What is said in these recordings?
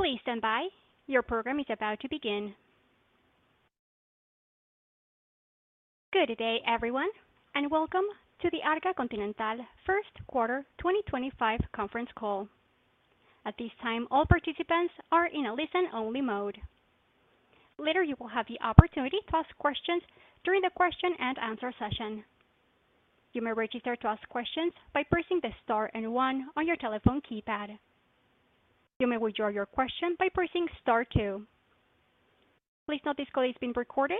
Please stand by. Your program is about to begin. Good day, everyone, and welcome to the Arca Continental first quarter 2025 conference call. At this time, all participants are in a listen-only mode. Later, you will have the opportunity to ask questions during the question and answer session. You may register to ask questions by pressing the star and one on your telephone keypad. You may withdraw your question by pressing star two. Please note this call is being recorded,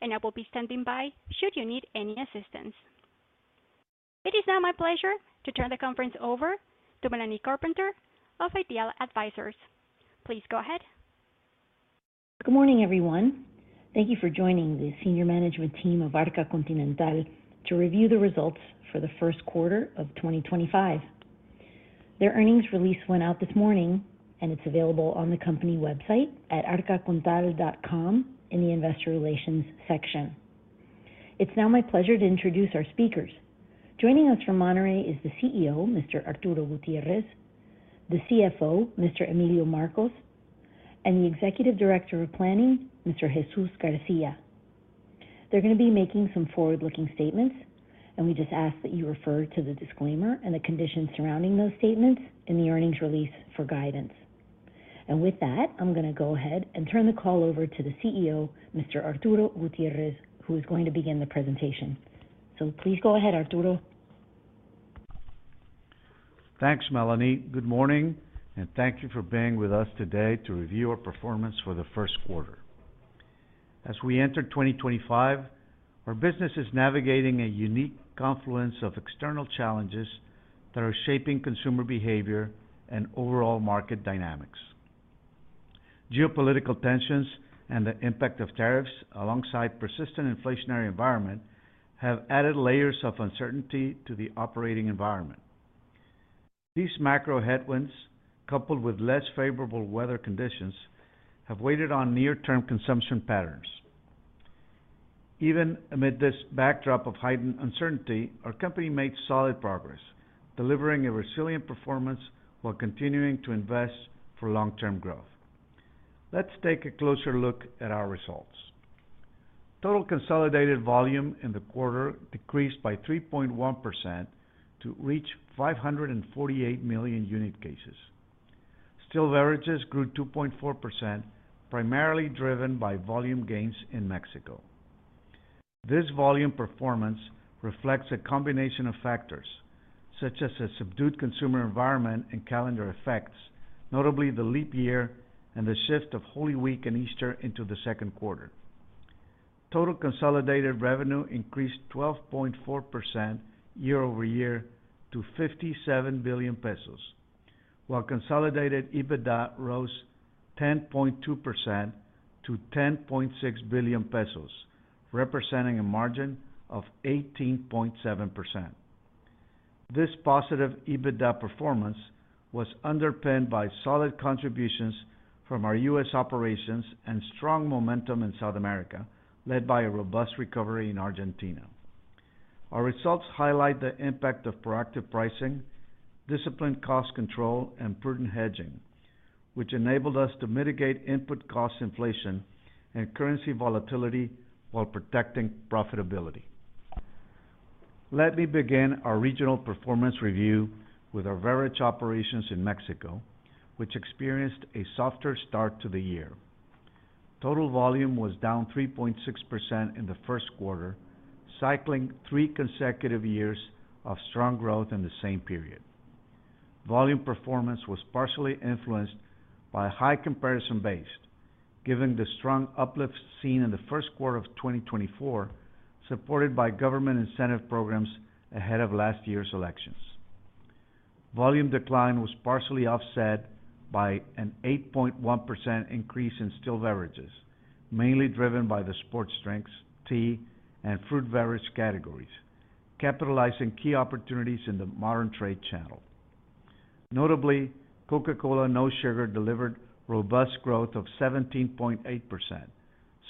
and I will be standing by should you need any assistance. It is now my pleasure to turn the conference over to Melanie Carpenter of Ideal Advisors. Please go ahead. Good morning, everyone. Thank you for joining the senior management team of Arca Continental to review the results for the first quarter of 2025. Their earnings release went out this morning, and it's available on the company website at arcacontal.com in the investor relations section. It is now my pleasure to introduce our speakers. Joining us from Monterrey is the CEO, Mr. Arturo Gutiérrez, the CFO, Mr. Emilio Marcos, and the Executive Director of Planning, Mr. Jesús García. They are going to be making some forward-looking statements, and we just ask that you refer to the disclaimer and the conditions surrounding those statements in the earnings release for guidance. With that, I am going to go ahead and turn the call over to the CEO, Mr. Arturo Gutiérrez, who is going to begin the presentation. Please go ahead, Arturo. Thanks, Melanie. Good morning, and thank you for being with us today to review our performance for the first quarter. As we enter 2025, our business is navigating a unique confluence of external challenges that are shaping consumer behavior and overall market dynamics. Geopolitical tensions and the impact of tariffs, alongside a persistent inflationary environment, have added layers of uncertainty to the operating environment. These macro headwinds, coupled with less favorable weather conditions, have weighed on near-term consumption patterns. Even amid this backdrop of heightened uncertainty, our company made solid progress, delivering a resilient performance while continuing to invest for long-term growth. Let's take a closer look at our results. Total consolidated volume in the quarter decreased by 3.1% to reach 548 million unit cases. Still, beverages grew 2.4%, primarily driven by volume gains in Mexico. This volume performance reflects a combination of factors such as a subdued consumer environment and calendar effects, notably the leap year and the shift of Holy Week and Easter into the second quarter. Total consolidated revenue increased 12.4% year-over-year to 57 billion pesos, while consolidated EBITDA rose 10.2% to 10.6 billion pesos, representing a margin of 18.7%. This positive EBITDA performance was underpinned by solid contributions from our U.S. operations and strong momentum in South America, led by a robust recovery in Argentina. Our results highlight the impact of proactive pricing, disciplined cost control, and prudent hedging, which enabled us to mitigate input cost inflation and currency volatility while protecting profitability. Let me begin our regional performance review with our beverage operations in Mexico, which experienced a softer start to the year. Total volume was down 3.6% in the first quarter, cycling three consecutive years of strong growth in the same period. Volume performance was partially influenced by a high comparison base, given the strong uplift seen in the first quarter of 2024, supported by government incentive programs ahead of last year's elections. Volume decline was partially offset by an 8.1% increase in still beverages, mainly driven by the sports drinks, tea, and fruit beverage categories, capitalizing key opportunities in the modern trade channel. Notably, Coca-Cola No Sugar delivered robust growth of 17.8%,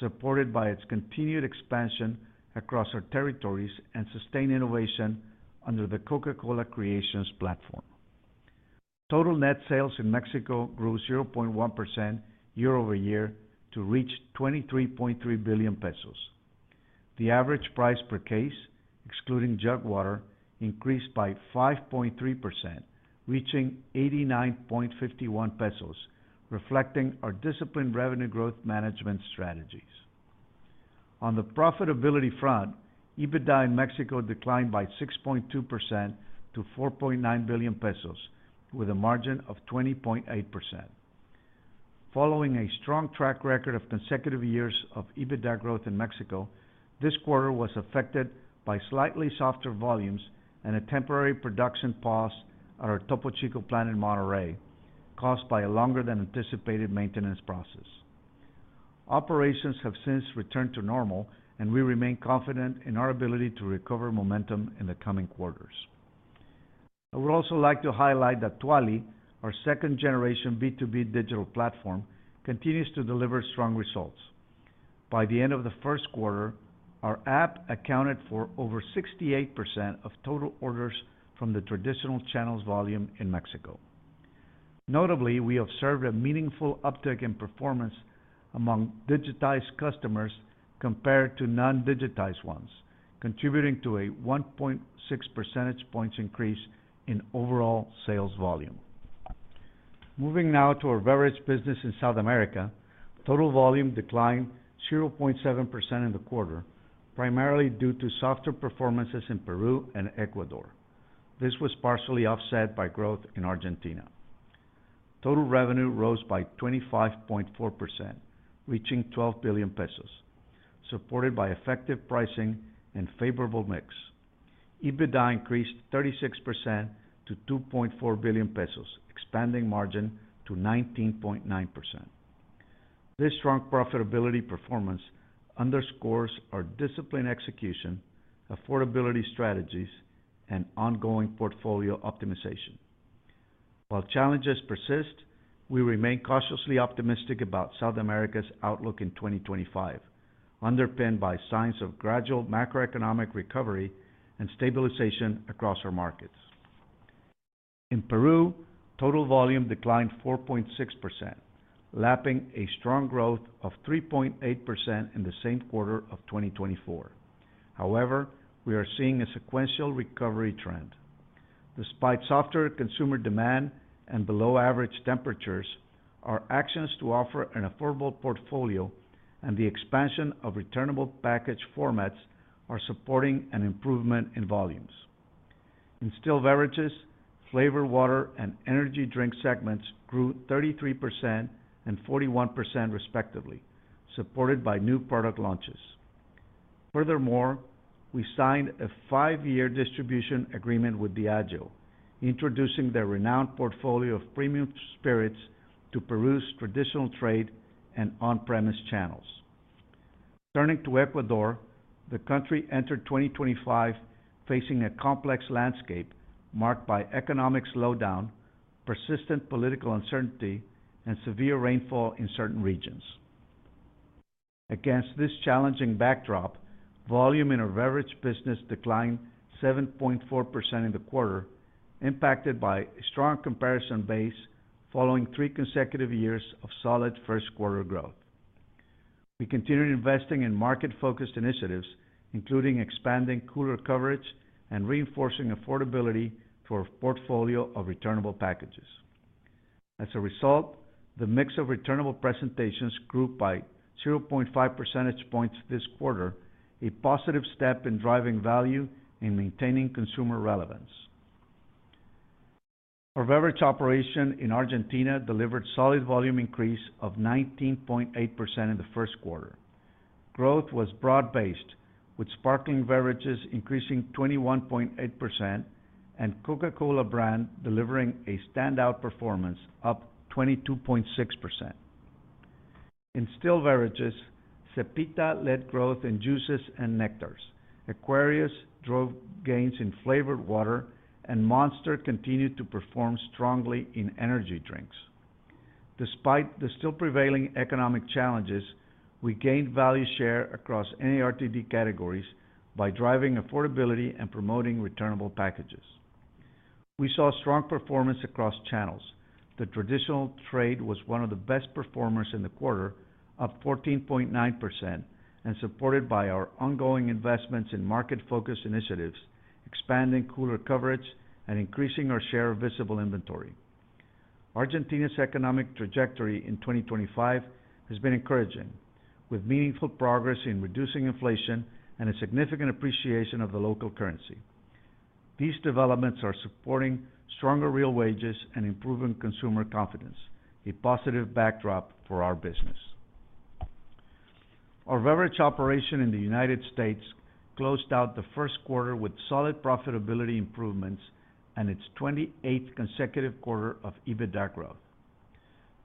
supported by its continued expansion across our territories and sustained innovation under the Coca-Cola Creations platform. Total net sales in Mexico grew 0.1% year-over-year to reach 23.3 billion pesos. The average price per case, excluding jug water, increased by 5.3%, reaching 89.51 pesos, reflecting our disciplined revenue growth management strategies. On the profitability front, EBITDA in Mexico declined by 6.2% to 4.9 billion pesos, with a margin of 20.8%. Following a strong track record of consecutive years of EBITDA growth in Mexico, this quarter was affected by slightly softer volumes and a temporary production pause at our Topo Chico plant in Monterrey, caused by a longer-than-anticipated maintenance process. Operations have since returned to normal, and we remain confident in our ability to recover momentum in the coming quarters. I would also like to highlight that Tuali, our second-generation B2B digital platform, continues to deliver strong results. By the end of the first quarter, our app accounted for over 68% of total orders from the traditional channel's volume in Mexico. Notably, we observed a meaningful uptick in performance among digitized customers compared to non-digitized ones, contributing to a 1.6 percentage points increase in overall sales volume. Moving now to our beverage business in South America, total volume declined 0.7% in the quarter, primarily due to softer performances in Peru and Ecuador. This was partially offset by growth in Argentina. Total revenue rose by 25.4%, reaching 12 billion pesos, supported by effective pricing and favorable mix. EBITDA increased 36% to 2.4 billion pesos, expanding margin to 19.9%. This strong profitability performance underscores our disciplined execution, affordability strategies, and ongoing portfolio optimization. While challenges persist, we remain cautiously optimistic about South America's outlook in 2025, underpinned by signs of gradual macroeconomic recovery and stabilization across our markets. In Peru, total volume declined 4.6%, lapping a strong growth of 3.8% in the same quarter of 2024. However, we are seeing a sequential recovery trend. Despite softer consumer demand and below-average temperatures, our actions to offer an affordable portfolio and the expansion of returnable package formats are supporting an improvement in volumes. In still beverages, flavored water and energy drink segments grew 33% and 41% respectively, supported by new product launches. Furthermore, we signed a five-year distribution agreement with Diageo, introducing their renowned portfolio of premium spirits to Peru's traditional trade and on-premise channels. Turning to Ecuador, the country entered 2025 facing a complex landscape marked by economic slowdown, persistent political uncertainty, and severe rainfall in certain regions. Against this challenging backdrop, volume in our beverage business declined 7.4% in the quarter, impacted by a strong comparison base following three consecutive years of solid first-quarter growth. We continued investing in market-focused initiatives, including expanding cooler coverage and reinforcing affordability for a portfolio of returnable packages. As a result, the mix of returnable presentations grew by 0.5 percentage points this quarter, a positive step in driving value and maintaining consumer relevance. Our beverage operation in Argentina delivered a solid volume increase of 19.8% in the first quarter. Growth was broad-based, with sparkling beverages increasing 21.8% and Coca-Cola brand delivering a standout performance, up 22.6%. In still beverages, Cepita led growth in juices and nectars, Aquarius drove gains in flavored water, and Monster continued to perform strongly in energy drinks. Despite the still prevailing economic challenges, we gained value share across NARTD categories by driving affordability and promoting returnable packages. We saw strong performance across channels. The traditional trade was one of the best performers in the quarter, up 14.9%, and supported by our ongoing investments in market-focused initiatives, expanding cooler coverage and increasing our share of visible inventory. Argentina's economic trajectory in 2025 has been encouraging, with meaningful progress in reducing inflation and a significant appreciation of the local currency. These developments are supporting stronger real wages and improving consumer confidence, a positive backdrop for our business. Our beverage operation in the United States closed out the first quarter with solid profitability improvements and its 28th consecutive quarter of EBITDA growth.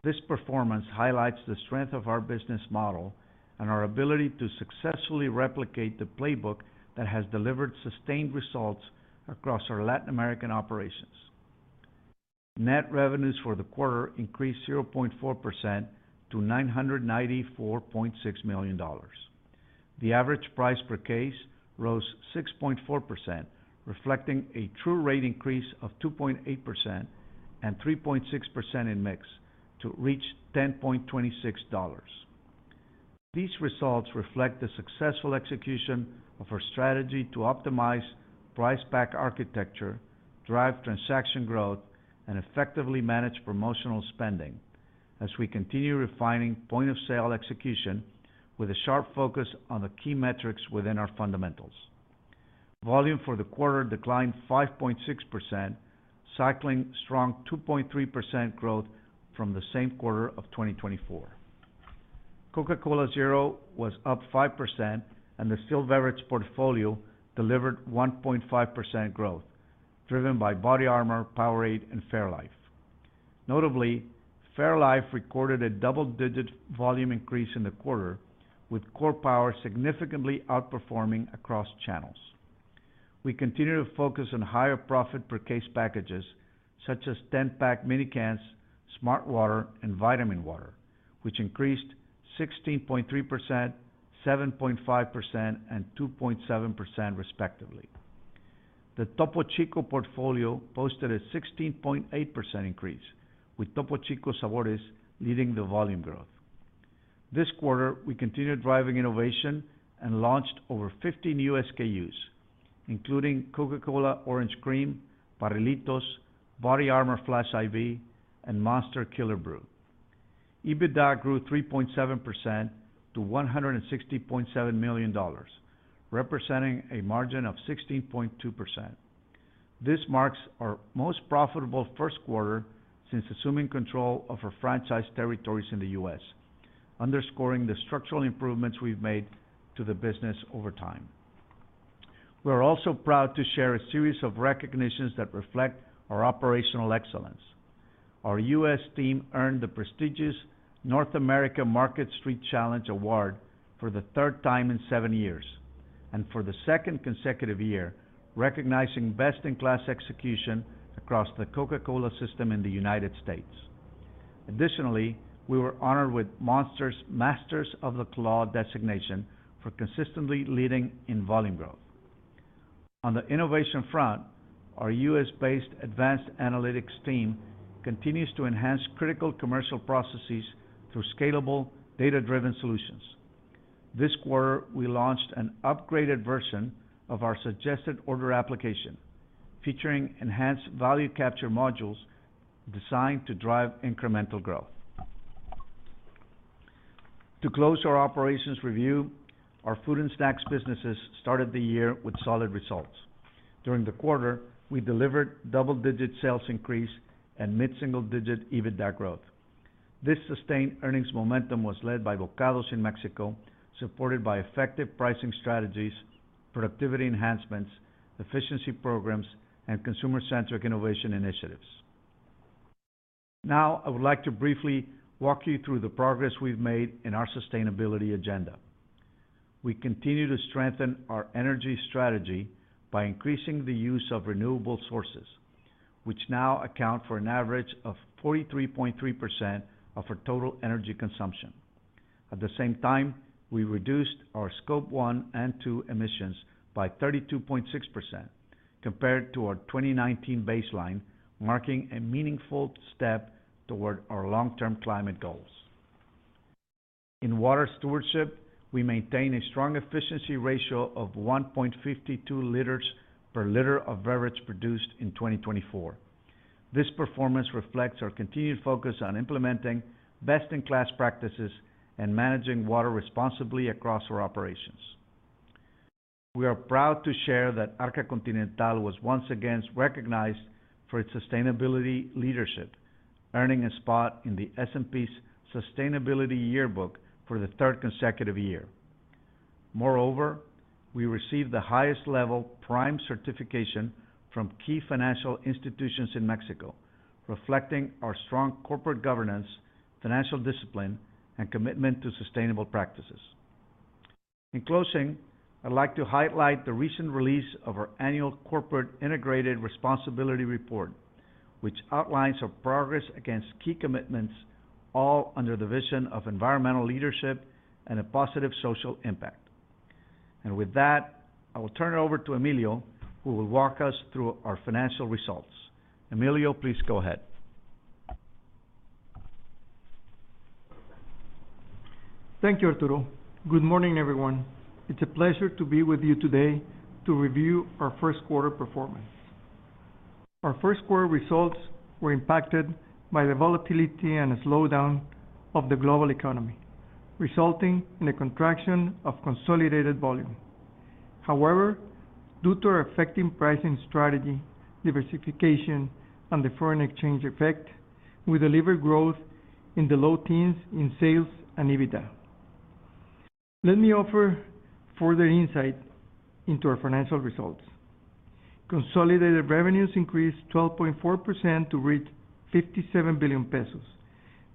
This performance highlights the strength of our business model and our ability to successfully replicate the playbook that has delivered sustained results across our Latin American operations. Net revenues for the quarter increased 0.4% to $994.6 million. The average price per case rose 6.4%, reflecting a true rate increase of 2.8% and 3.6% in mix to reach $10.26. These results reflect the successful execution of our strategy to optimize price-pack architecture, drive transaction growth, and effectively manage promotional spending as we continue refining point-of-sale execution with a sharp focus on the key metrics within our fundamentals. Volume for the quarter declined 5.6%, cycling strong 2.3% growth from the same quarter of 2024. Coca-Cola Zero was up 5%, and the still beverage portfolio delivered 1.5% growth, driven by BodyArmor, Powerade, and Fairlife. Notably, Fairlife recorded a double-digit volume increase in the quarter, with Core Power significantly outperforming across channels. We continue to focus on higher profit per case packages, such as 10-pack minicans, Smart Water, and Vitamin Water, which increased 16.3%, 7.5%, and 2.7% respectively. The Topo Chico portfolio posted a 16.8% increase, with Topo Chico Sabores leading the volume growth. This quarter, we continued driving innovation and launched over 15 new SKUs, including Coca-Cola Orange Cream, Barrilitos, BodyArmor Flash IV, and Monster Killer Brew. EBITDA grew 3.7% to $160.7 million, representing a margin of 16.2%. This marks our most profitable first quarter since assuming control of our franchise territories in the U.S., underscoring the structural improvements we've made to the business over time. We are also proud to share a series of recognitions that reflect our operational excellence. Our U.S. team earned the prestigious North America Market Street Challenge award for the third time in seven years and for the second consecutive year, recognizing best-in-class execution across the Coca-Cola system in the United States. Additionally, we were honored with Monster's Masters of the Claw designation for consistently leading in volume growth. On the innovation front, our U.S.-based advanced analytics team continues to enhance critical commercial processes through scalable, data-driven solutions. This quarter, we launched an upgraded version of our suggested order application, featuring enhanced value capture modules designed to drive incremental growth. To close our operations review, our food and snacks businesses started the year with solid results. During the quarter, we delivered double-digit sales increase and mid-single-digit EBITDA growth. This sustained earnings momentum was led by Bokados in Mexico, supported by effective pricing strategies, productivity enhancements, efficiency programs, and consumer-centric innovation initiatives. Now, I would like to briefly walk you through the progress we have made in our sustainability agenda. We continue to strengthen our energy strategy by increasing the use of renewable sources, which now account for an average of 43.3% of our total energy consumption. At the same time, we reduced our scope one and two emissions by 32.6% compared to our 2019 baseline, marking a meaningful step toward our long-term climate goals. In water stewardship, we maintain a strong efficiency ratio of 1.52 L per liter of beverage produced in 2024. This performance reflects our continued focus on implementing best-in-class practices and managing water responsibly across our operations. We are proud to share that Arca Continental was once again recognized for its sustainability leadership, earning a spot in the S&P's Sustainability Yearbook for the third consecutive year. Moreover, we received the highest-level PRIME certification from key financial institutions in Mexico, reflecting our strong corporate governance, financial discipline, and commitment to sustainable practices. In closing, I'd like to highlight the recent release of our annual Corporate Integrated Responsibility Report, which outlines our progress against key commitments, all under the vision of environmental leadership and a positive social impact. With that, I will turn it over to Emilio, who will walk us through our financial results. Emilio, please go ahead. Thank you, Arturo. Good morning, everyone. It's a pleasure to be with you today to review our first-quarter performance. Our first-quarter results were impacted by the volatility and slowdown of the global economy, resulting in a contraction of consolidated volume. However, due to our effective pricing strategy, diversification, and the foreign exchange effect, we delivered growth in the low teens in sales and EBITDA. Let me offer further insight into our financial results. Consolidated revenues increased 12.4% to reach 57 billion pesos,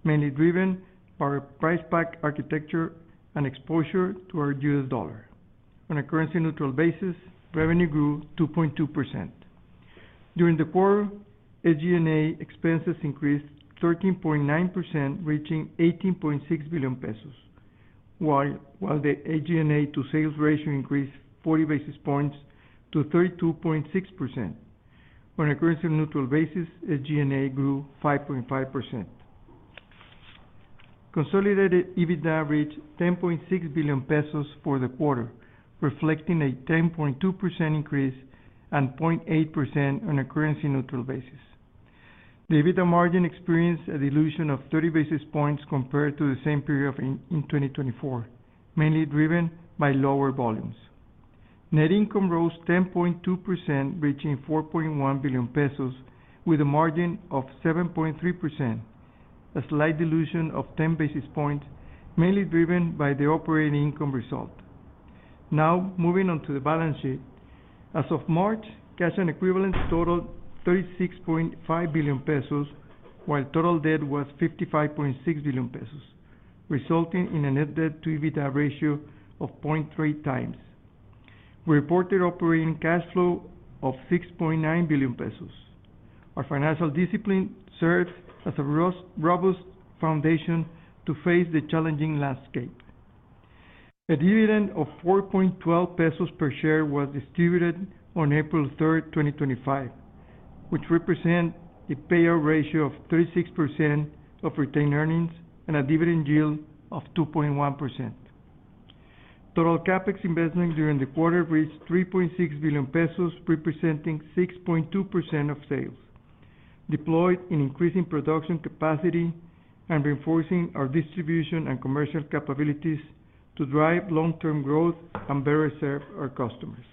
mainly driven by our price-pack architecture and exposure to our U.S. dollar. On a currency-neutral basis, revenue grew 2.2%. During the quarter, SG&A expenses increased 13.9%, reaching 18.6 billion pesos, while the SG&A to sales ratio increased 40 basis points to 32.6%. On a currency-neutral basis, SG&A grew 5.5%. Consolidated EBITDA reached 10.6 billion pesos for the quarter, reflecting a 10.2% increase and 0.8% on a currency-neutral basis. The EBITDA margin experienced a dilution of 30 basis points compared to the same period in 2024, mainly driven by lower volumes. Net income rose 10.2%, reaching 4.1 billion pesos, with a margin of 7.3%, a slight dilution of 10 basis points, mainly driven by the operating income result. Now, moving on to the balance sheet. As of March, cash and equivalents totaled 36.5 billion pesos, while total debt was 55.6 billion pesos, resulting in a net debt-to-EBITDA ratio of 0.3x. We reported operating cash flow of 6.9 billion pesos. Our financial discipline served as a robust foundation to face the challenging landscape. A dividend of $4.12 per share was distributed on April 3, 2025, which represents a payout ratio of 36% of retained earnings and a dividend yield of 2.1%. Total CapEx investment during the quarter reached 3.6 billion pesos, representing 6.2% of sales, deployed in increasing production capacity and reinforcing our distribution and commercial capabilities to drive long-term growth and better serve our customers.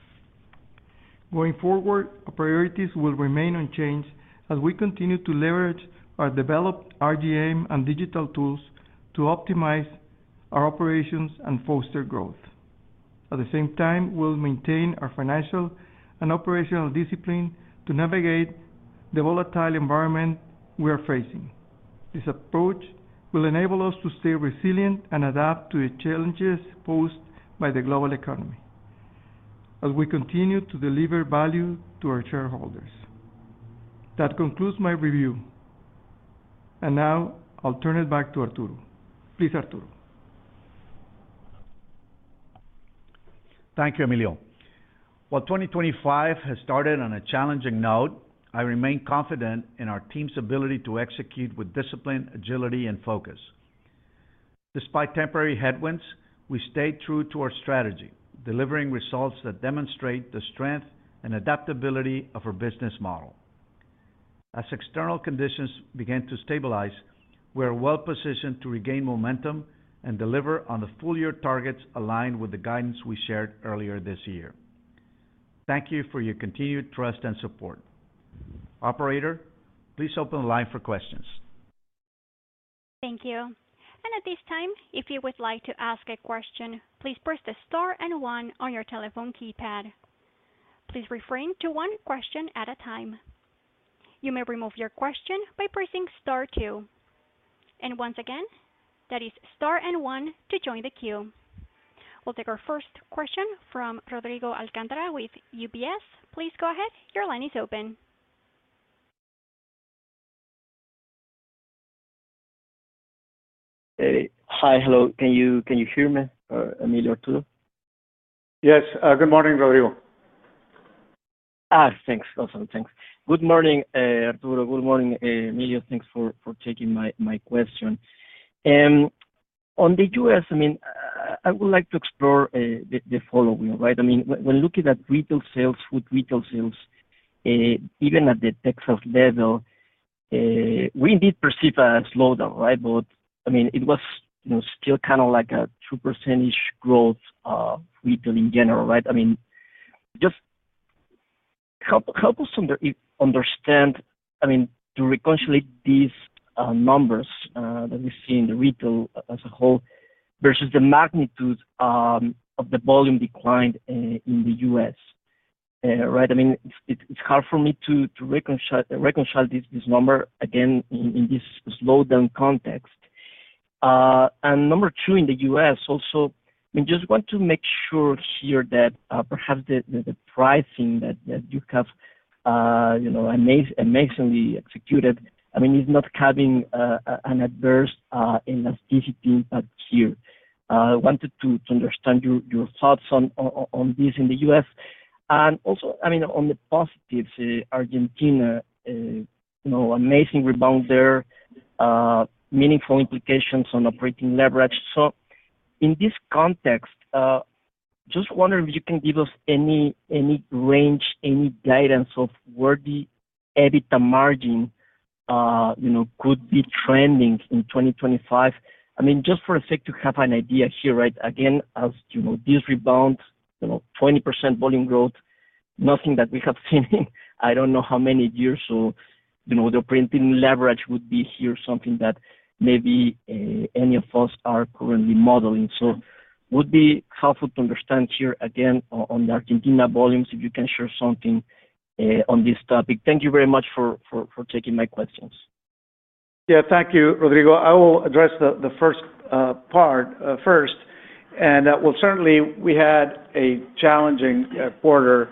Going forward, our priorities will remain unchanged as we continue to leverage our developed RGM and digital tools to optimize our operations and foster growth. At the same time, we'll maintain our financial and operational discipline to navigate the volatile environment we are facing. This approach will enable us to stay resilient and adapt to the challenges posed by the global economy as we continue to deliver value to our shareholders. That concludes my review. I will turn it back to Arturo. Please, Arturo. Thank you, Emilio. While 2025 has started on a challenging note, I remain confident in our team's ability to execute with discipline, agility, and focus. Despite temporary headwinds, we stayed true to our strategy, delivering results that demonstrate the strength and adaptability of our business model. As external conditions began to stabilize, we are well-positioned to regain momentum and deliver on the full-year targets aligned with the guidance we shared earlier this year. Thank you for your continued trust and support. Operator, please open the line for questions. Thank you. At this time, if you would like to ask a question, please press the star and one on your telephone keypad. Please refrain to one question at a time. You may remove your question by pressing star two. Once again, that is star and one to join the queue. We'll take our first question from Rodrigo Alcántara with UBS. Please go ahead. Your line is open. Hi, hello. Can you hear me, Emilio, Arturo? Yes. Good morning, Rodrigo. Thanks. Awesome. Thanks. Good morning, Arturo. Good morning, Emilio. Thanks for taking my question. On the U.S., I mean, I would like to explore the following, right? I mean, when looking at retail sales, food retail sales, even at the Texas level, we did perceive a slowdown, right? I mean, it was still kind of like a 2%-ish growth of retail in general, right? I mean, just help us understand, I mean, to reconcile these numbers that we see in the retail as a whole versus the magnitude of the volume decline in the U.S., right? I mean, it's hard for me to reconcile this number again in this slowdown context. Number two, in the U.S., also, I mean, just want to make sure here that perhaps the pricing that you have amazingly executed, I mean, is not having an adverse elasticity impact here. I wanted to understand your thoughts on this in the U.S. Also, I mean, on the positives, Argentina, amazing rebound there, meaningful implications on operating leverage. In this context, just wondering if you can give us any range, any guidance of where the EBITDA margin could be trending in 2025. I mean, just for the sake to have an idea here, right? Again, as you know, this rebound, 20% volume growth, nothing that we have seen in, I don't know how many years. The operating leverage would be here something that maybe any of us are currently modeling. It would be helpful to understand here again on the Argentina volumes if you can share something on this topic. Thank you very much for taking my questions. Thank you, Rodrigo. I will address the first part first. Certainly, we had a challenging quarter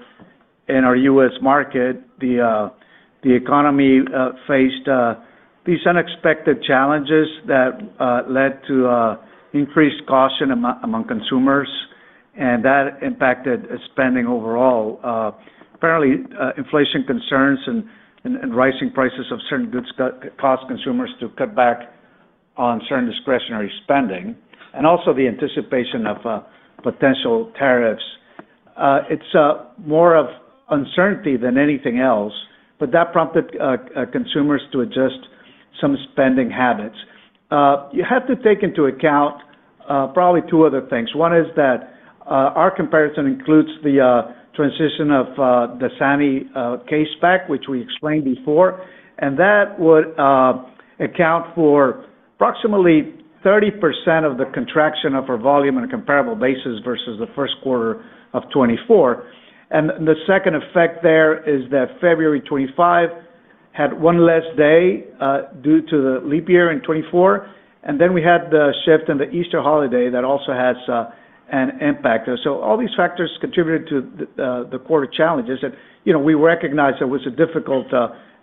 in our U.S. market. The economy faced these unexpected challenges that led to increased caution among consumers, and that impacted spending overall. Apparently, inflation concerns and rising prices of certain goods caused consumers to cut back on certain discretionary spending, and also the anticipation of potential tariffs. It is more of uncertainty than anything else, but that prompted consumers to adjust some spending habits. You have to take into account probably two other things. One is that our comparison includes the transition of the SANI case pack, which we explained before, and that would account for approximately 30% of the contraction of our volume on a comparable basis versus the first quarter of 2024. The second effect there is that February 2025 had one less day due to the leap year in 2024, and we had the shift in the Easter holiday that also has an impact. All these factors contributed to the quarter challenges. We recognize it was a difficult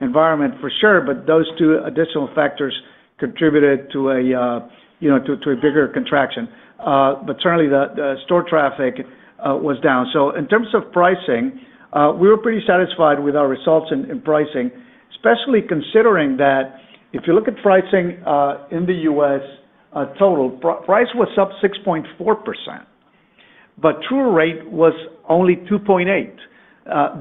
environment for sure, but those two additional factors contributed to a bigger contraction. Certainly, the store traffic was down. In terms of pricing, we were pretty satisfied with our results in pricing, especially considering that if you look at pricing in the U.S., total price was up 6.4%, but true rate was only 2.8%.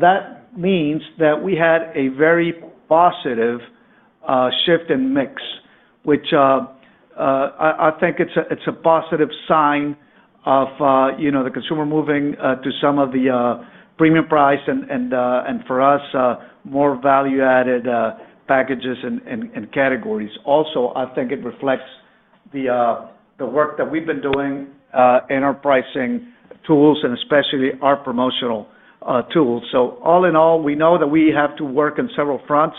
That means that we had a very positive shift in mix, which I think it's a positive sign of the consumer moving to some of the premium price and, for us, more value-added packages and categories. Also, I think it reflects the work that we've been doing in our pricing tools and especially our promotional tools. All in all, we know that we have to work on several fronts: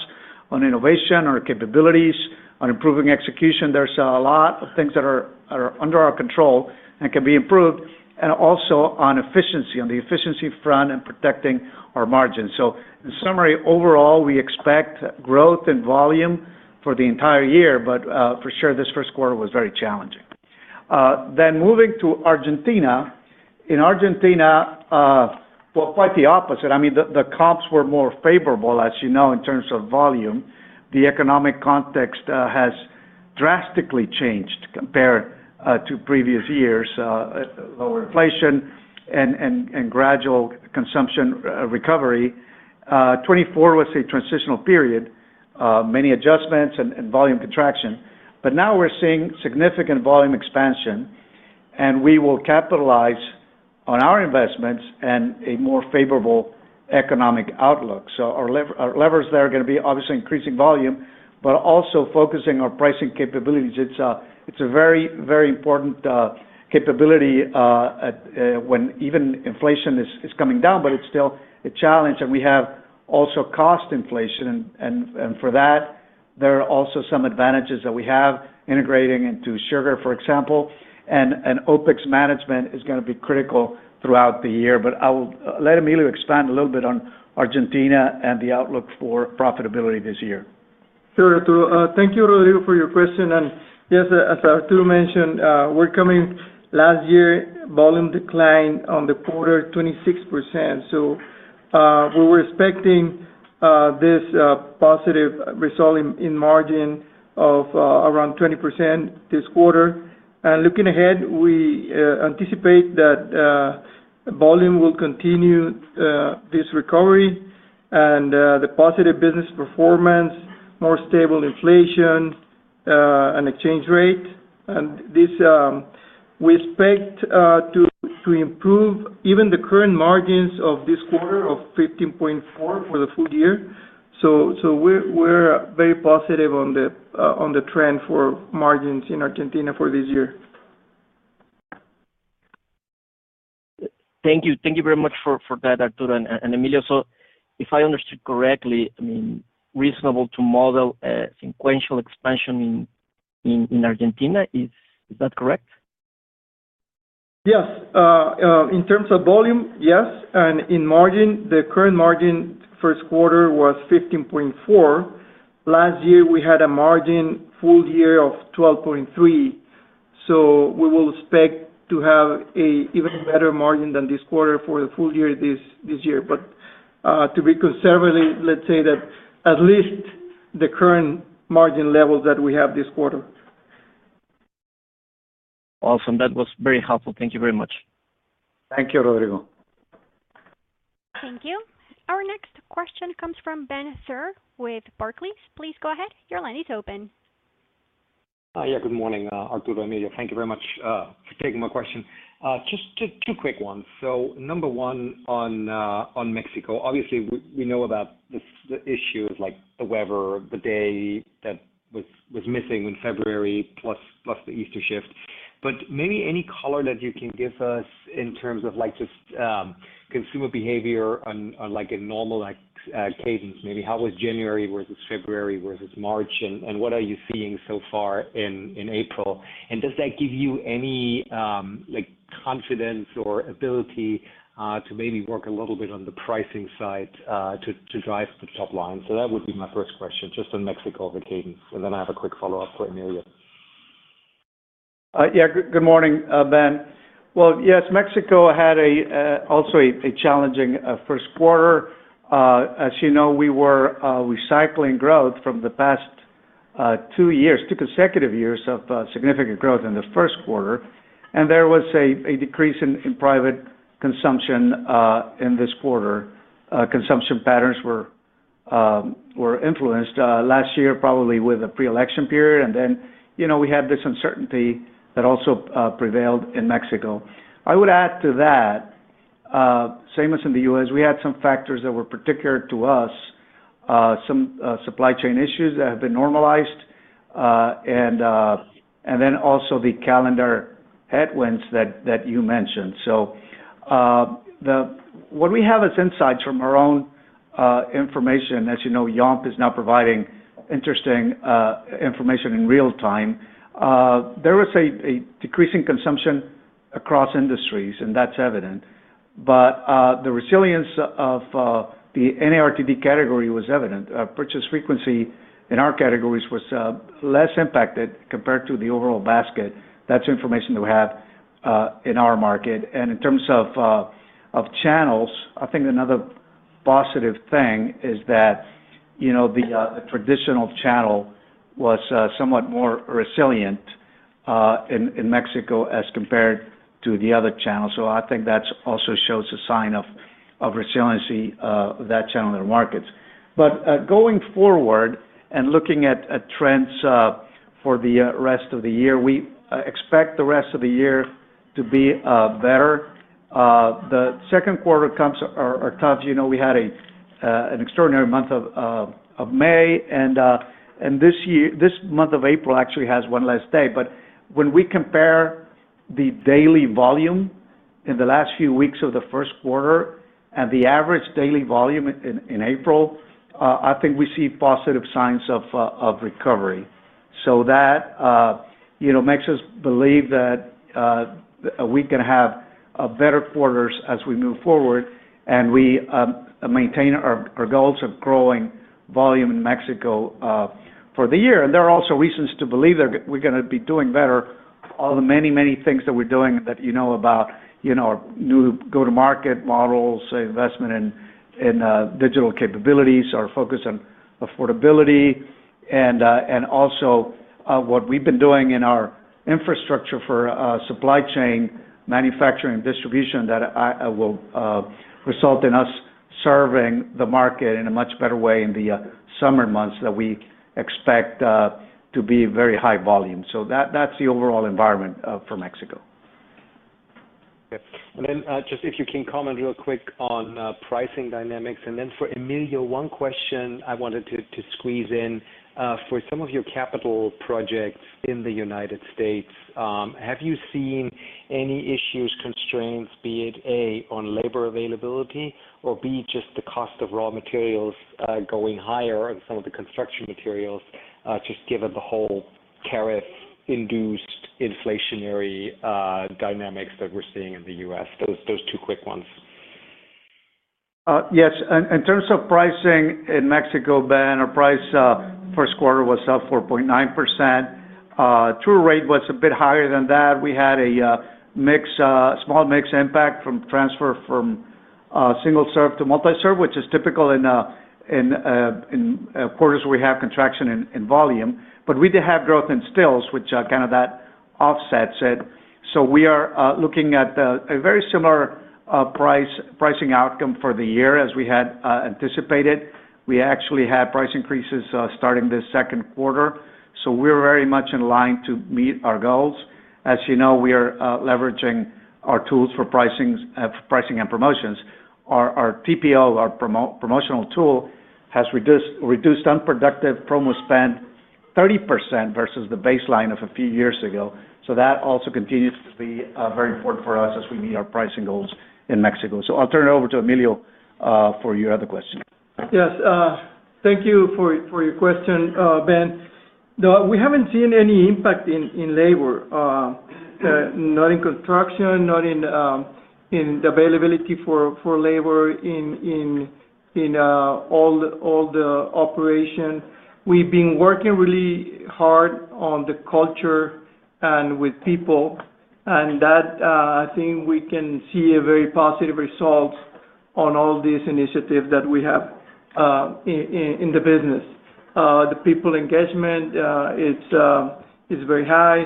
on innovation, on our capabilities, on improving execution. There's a lot of things that are under our control and can be improved, and also on efficiency, on the efficiency front and protecting our margins. In summary, overall, we expect growth in volume for the entire year, but for sure, this first quarter was very challenging. Moving to Argentina, in Argentina, quite the opposite. I mean, the comps were more favorable, as you know, in terms of volume. The economic context has drastically changed compared to previous years, lower inflation and gradual consumption recovery. 2024 was a transitional period, many adjustments and volume contraction, but now we're seeing significant volume expansion, and we will capitalize on our investments and a more favorable economic outlook. Our levers there are going to be obviously increasing volume, but also focusing our pricing capabilities. It's a very, very important capability when even inflation is coming down, but it's still a challenge. We have also cost inflation, and for that, there are also some advantages that we have integrating into sugar, for example, and OpEx management is going to be critical throughout the year. I will let Emilio expand a little bit on Argentina and the outlook for profitability this year. Sure, Arturo. Thank you, Rodrigo, for your question. Yes, as Arturo mentioned, we are coming last year volume decline on the quarter, 26%. We were expecting this positive result in margin of around 20% this quarter. Looking ahead, we anticipate that volume will continue this recovery and the positive business performance, more stable inflation, and exchange rate. We expect to improve even the current margins of this quarter of 15.4% for the full year. We are very positive on the trend for margins in Argentina for this year. Thank you. Thank you very much for that, Arturo and Emilio. If I understood correctly, I mean, reasonable to model a sequential expansion in Argentina. Is that correct? Yes. In terms of volume, yes. In margin, the current margin first quarter was 15.4%. Last year, we had a margin full year of 12.3%. We will expect to have an even better margin than this quarter for the full year this year. To be conservative, let's say that at least the current margin levels that we have this quarter. Awesome. That was very helpful. Thank you very much. Thank you, Rodrigo. Thank you. Our next question comes from Ben Theurer with Barclays. Please go ahead. Your line is open. Yeah, good morning, Arturo and Emilio. Thank you very much for taking my question. Just two quick ones. Number one on Mexico. Obviously, we know about the issues like the weather, the day that was missing in February plus the Easter shift. Maybe any color that you can give us in terms of just consumer behavior on a normal cadence. Maybe how was January versus February versus March, and what are you seeing so far in April? Does that give you any confidence or ability to maybe work a little bit on the pricing side to drive the top line? That would be my first question, just on Mexico over cadence. I have a quick follow-up for Emilio. Good morning, Ben. Yes, Mexico had also a challenging first quarter. As you know, we were recycling growth from the past two years, two consecutive years of significant growth in the first quarter. There was a decrease in private consumption in this quarter. Consumption patterns were influenced last year probably with a pre-election period, and we had this uncertainty that also prevailed in Mexico. I would add to that, same as in the U.S., we had some factors that were particular to us, some supply chain issues that have been normalized, and also the calendar headwinds that you mentioned. What we have as insights from our own information, as you know, Yomp! is now providing interesting information in real time. There was a decrease in consumption across industries, and that's evident. The resilience of the NARTD category was evident. Purchase frequency in our categories was less impacted compared to the overall basket. That's information that we have in our market. In terms of channels, I think another positive thing is that the traditional channel was somewhat more resilient in Mexico as compared to the other channels. I think that also shows a sign of resiliency of that channel in their markets. Going forward and looking at trends for the rest of the year, we expect the rest of the year to be better. The second quarter comes are tough. You know, we had an extraordinary month of May, and this month of April actually has one less day. When we compare the daily volume in the last few weeks of the first quarter and the average daily volume in April, I think we see positive signs of recovery. That makes us believe that we can have better quarters as we move forward, and we maintain our goals of growing volume in Mexico for the year. There are also reasons to believe that we're going to be doing better on the many, many things that you know about, our new go-to-market models, investment in digital capabilities, our focus on affordability, and also what we've been doing in our infrastructure for supply chain, manufacturing, and distribution that will result in us serving the market in a much better way in the summer months that we expect to be very high volume. That is the overall environment for Mexico. If you can comment real quick on pricing dynamics. For Emilio, one question I wanted to squeeze in. For some of your capital projects in the U.S., have you seen any issues, constraints, be it A, on labor availability, or B, just the cost of raw materials going higher on some of the construction materials, just given the whole tariff-induced inflationary dynamics that we're seeing in the U.S.? Those two quick ones. Yes. In terms of pricing in Mexico, Ben, our price first quarter was up 4.9%. True rate was a bit higher than that. We had a small mixed impact from transfer from single serve to multi-serve, which is typical in quarters where we have contraction in volume. We did have growth in stills, which kind of offsets it. We are looking at a very similar pricing outcome for the year as we had anticipated. We actually had price increases starting this second quarter. We are very much in line to meet our goals. As you know, we are leveraging our tools for pricing and promotions. Our TPO, our promotional tool, has reduced unproductive promo spend 30% versus the baseline of a few years ago. That also continues to be very important for us as we meet our pricing goals in Mexico. I will turn it over to Emilio for your other question. Yes. Thank you for your question, Ben. We have not seen any impact in labor, not in construction, not in the availability for labor in all the operations. We have been working really hard on the culture and with people, and I think we can see a very positive result on all these initiatives that we have in the business. The people engagement is very high.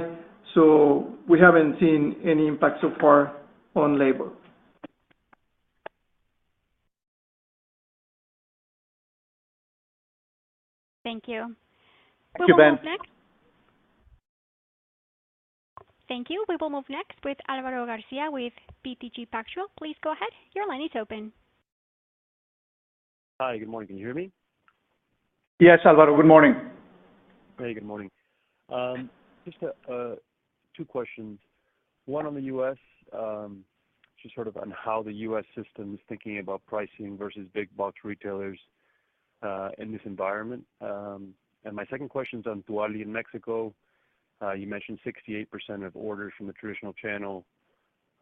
We have not seen any impact so far on labor. Thank you. Thank you, Ben. Thank you. We will move next with Álvaro García with BTG Pactual. Please go ahead. Your line is open. Hi, good morning. Can you hear me? Yes, Álvaro. Good morning. Hey, good morning. Just two questions. One on the U.S., just sort of on how the U.S. system is thinking about pricing versus big-box retailers in this environment. My second question is on Tuali in Mexico. You mentioned 68% of orders from the traditional channel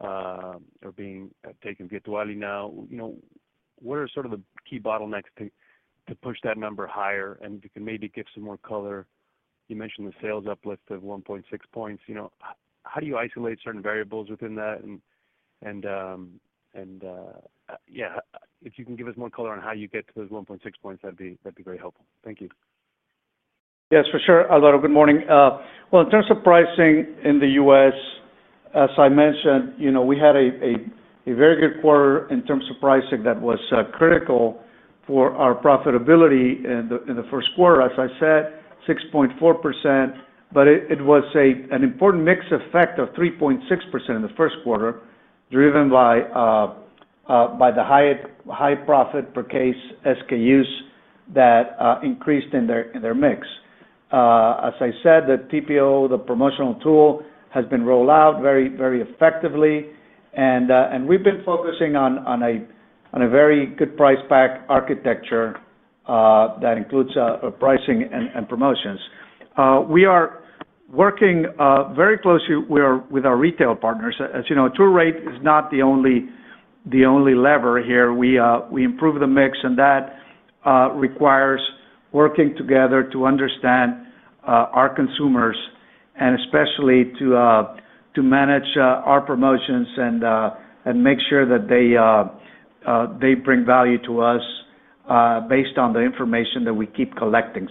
are being taken via Tuali now. What are sort of the key bottlenecks to push that number higher? If you can maybe give some more color, you mentioned the sales uplift of 1.6 percentage points. How do you isolate certain variables within that? If you can give us more color on how you get to those 1.6 percentage points, that would be very helpful. Thank you. Yes, for sure. Hello, good morning. In terms of pricing in the U.S., as I mentioned, we had a very good quarter in terms of pricing that was critical for our profitability in the first quarter. As I said, 6.4%, but it was an important mix effect of 3.6% in the first quarter, driven by the high profit per case SKUs that increased in their mix. As I said, the TPO, the promotional tool, has been rolled out very effectively, and we've been focusing on a very good price pack architecture that includes pricing and promotions. We are working very closely with our retail partners. As you know, true rate is not the only lever here. We improve the mix, and that requires working together to understand our consumers and especially to manage our promotions and make sure that they bring value to us based on the information that we keep collecting.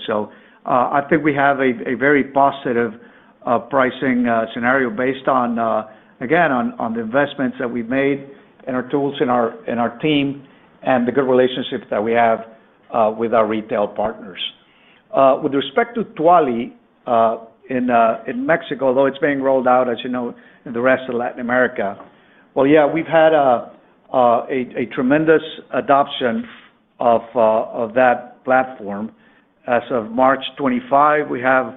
I think we have a very positive pricing scenario based on, again, on the investments that we've made in our tools and our team and the good relationship that we have with our retail partners. With respect to Tuali in Mexico, though it's being rolled out, as you know, in the rest of Latin America, yeah, we've had a tremendous adoption of that platform. As of March 25, we have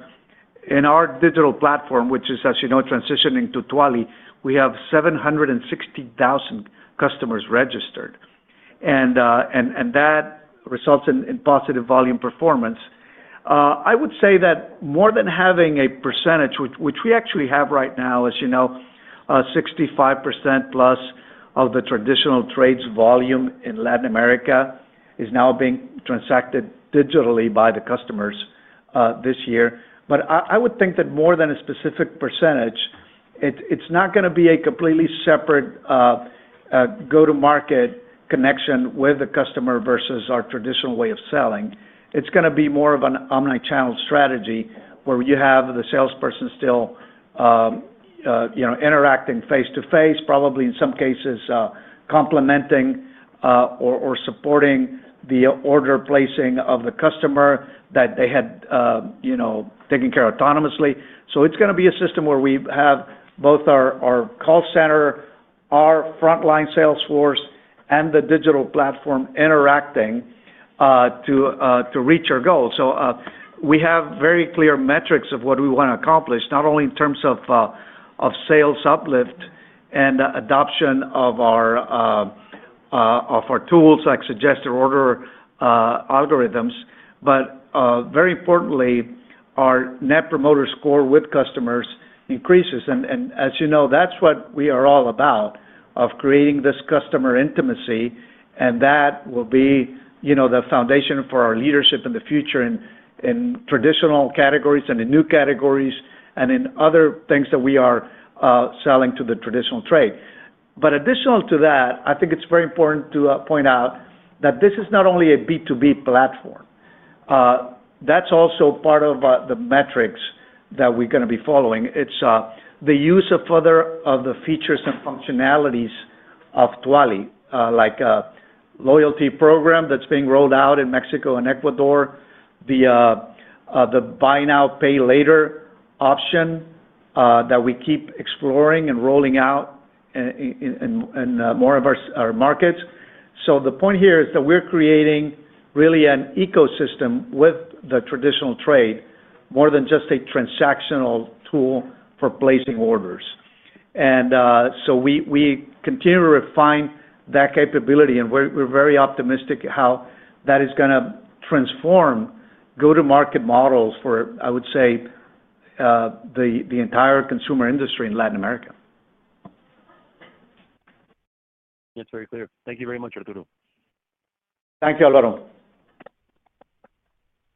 in our digital platform, which is, as you know, transitioning to Tuali, we have 760,000 customers registered. That results in positive volume performance. I would say that more than having a percentage, which we actually have right now, as you know, 65%+ of the traditional trades volume in Latin America is now being transacted digitally by the customers this year. I would think that more than a specific percentage, it's not going to be a completely separate go-to-market connection with the customer versus our traditional way of selling. It's going to be more of an omnichannel strategy where you have the salesperson still interacting face-to-face, probably in some cases complementing or supporting the order placing of the customer that they had taken care of autonomously. It's going to be a system where we have both our call center, our frontline salesforce, and the digital platform interacting to reach our goals. We have very clear metrics of what we want to accomplish, not only in terms of sales uplift and adoption of our tools like suggested order algorithms, but very importantly, our net promoter score with customers increases. As you know, that's what we are all about, of creating this customer intimacy, and that will be the foundation for our leadership in the future in traditional categories and in new categories and in other things that we are selling to the traditional trade. Additional to that, I think it's very important to point out that this is not only a B2B platform. That's also part of the metrics that we're going to be following. It's the use further of the features and functionalities of Tuali, like a loyalty program that's being rolled out in Mexico and Ecuador, the buy now, pay later option that we keep exploring and rolling out in more of our markets. The point here is that we're creating really an ecosystem with the traditional trade more than just a transactional tool for placing orders. We continue to refine that capability, and we're very optimistic how that is going to transform go-to-market models for, I would say, the entire consumer industry in Latin America. That's very clear. Thank you very much, Arturo. Thank you, Álvaro.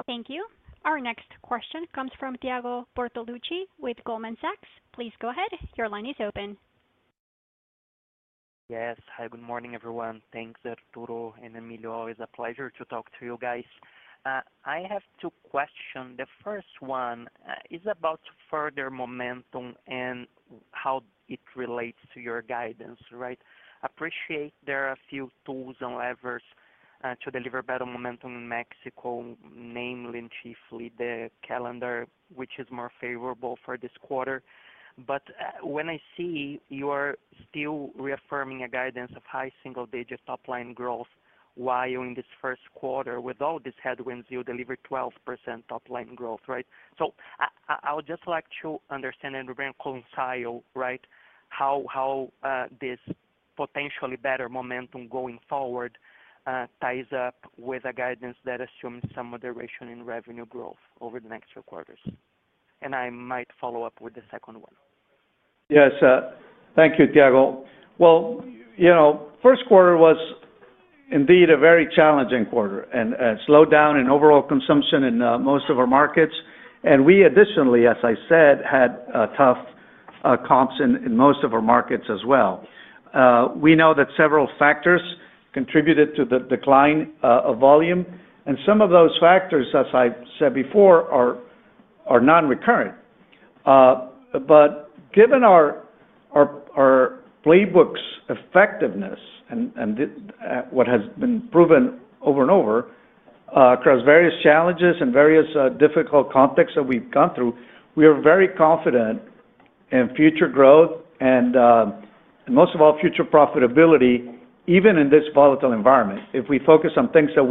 Thank you. Our next question comes from Thiago Bortoluci with Goldman Sachs. Please go ahead. Your line is open. Yes. Hi, good morning, everyone. Thanks, Arturo and Emilio. It's a pleasure to talk to you guys. I have two questions. The first one is about further momentum and how it relates to your guidance, right? Appreciate there are a few tools and levers to deliver better momentum in Mexico, namely and chiefly the calendar, which is more favorable for this quarter. When I see you are still reaffirming a guidance of high single-digit top-line growth while in this first quarter, with all these headwinds, you deliver 12% top-line growth, right? I would just like to understand and reconcile, right, how this potentially better momentum going forward ties up with a guidance that assumes some moderation in revenue growth over the next few quarters. I might follow up with the second one. Yes. Thank you, Thiago. First quarter was indeed a very challenging quarter and slowed down in overall consumption in most of our markets. We additionally, as I said, had tough comps in most of our markets as well. We know that several factors contributed to the decline of volume. Some of those factors, as I said before, are non-recurrent. Given our playbooks' effectiveness and what has been proven over and over across various challenges and various difficult contexts that we've gone through, we are very confident in future growth and, most of all, future profitability, even in this volatile environment. If we focus on things that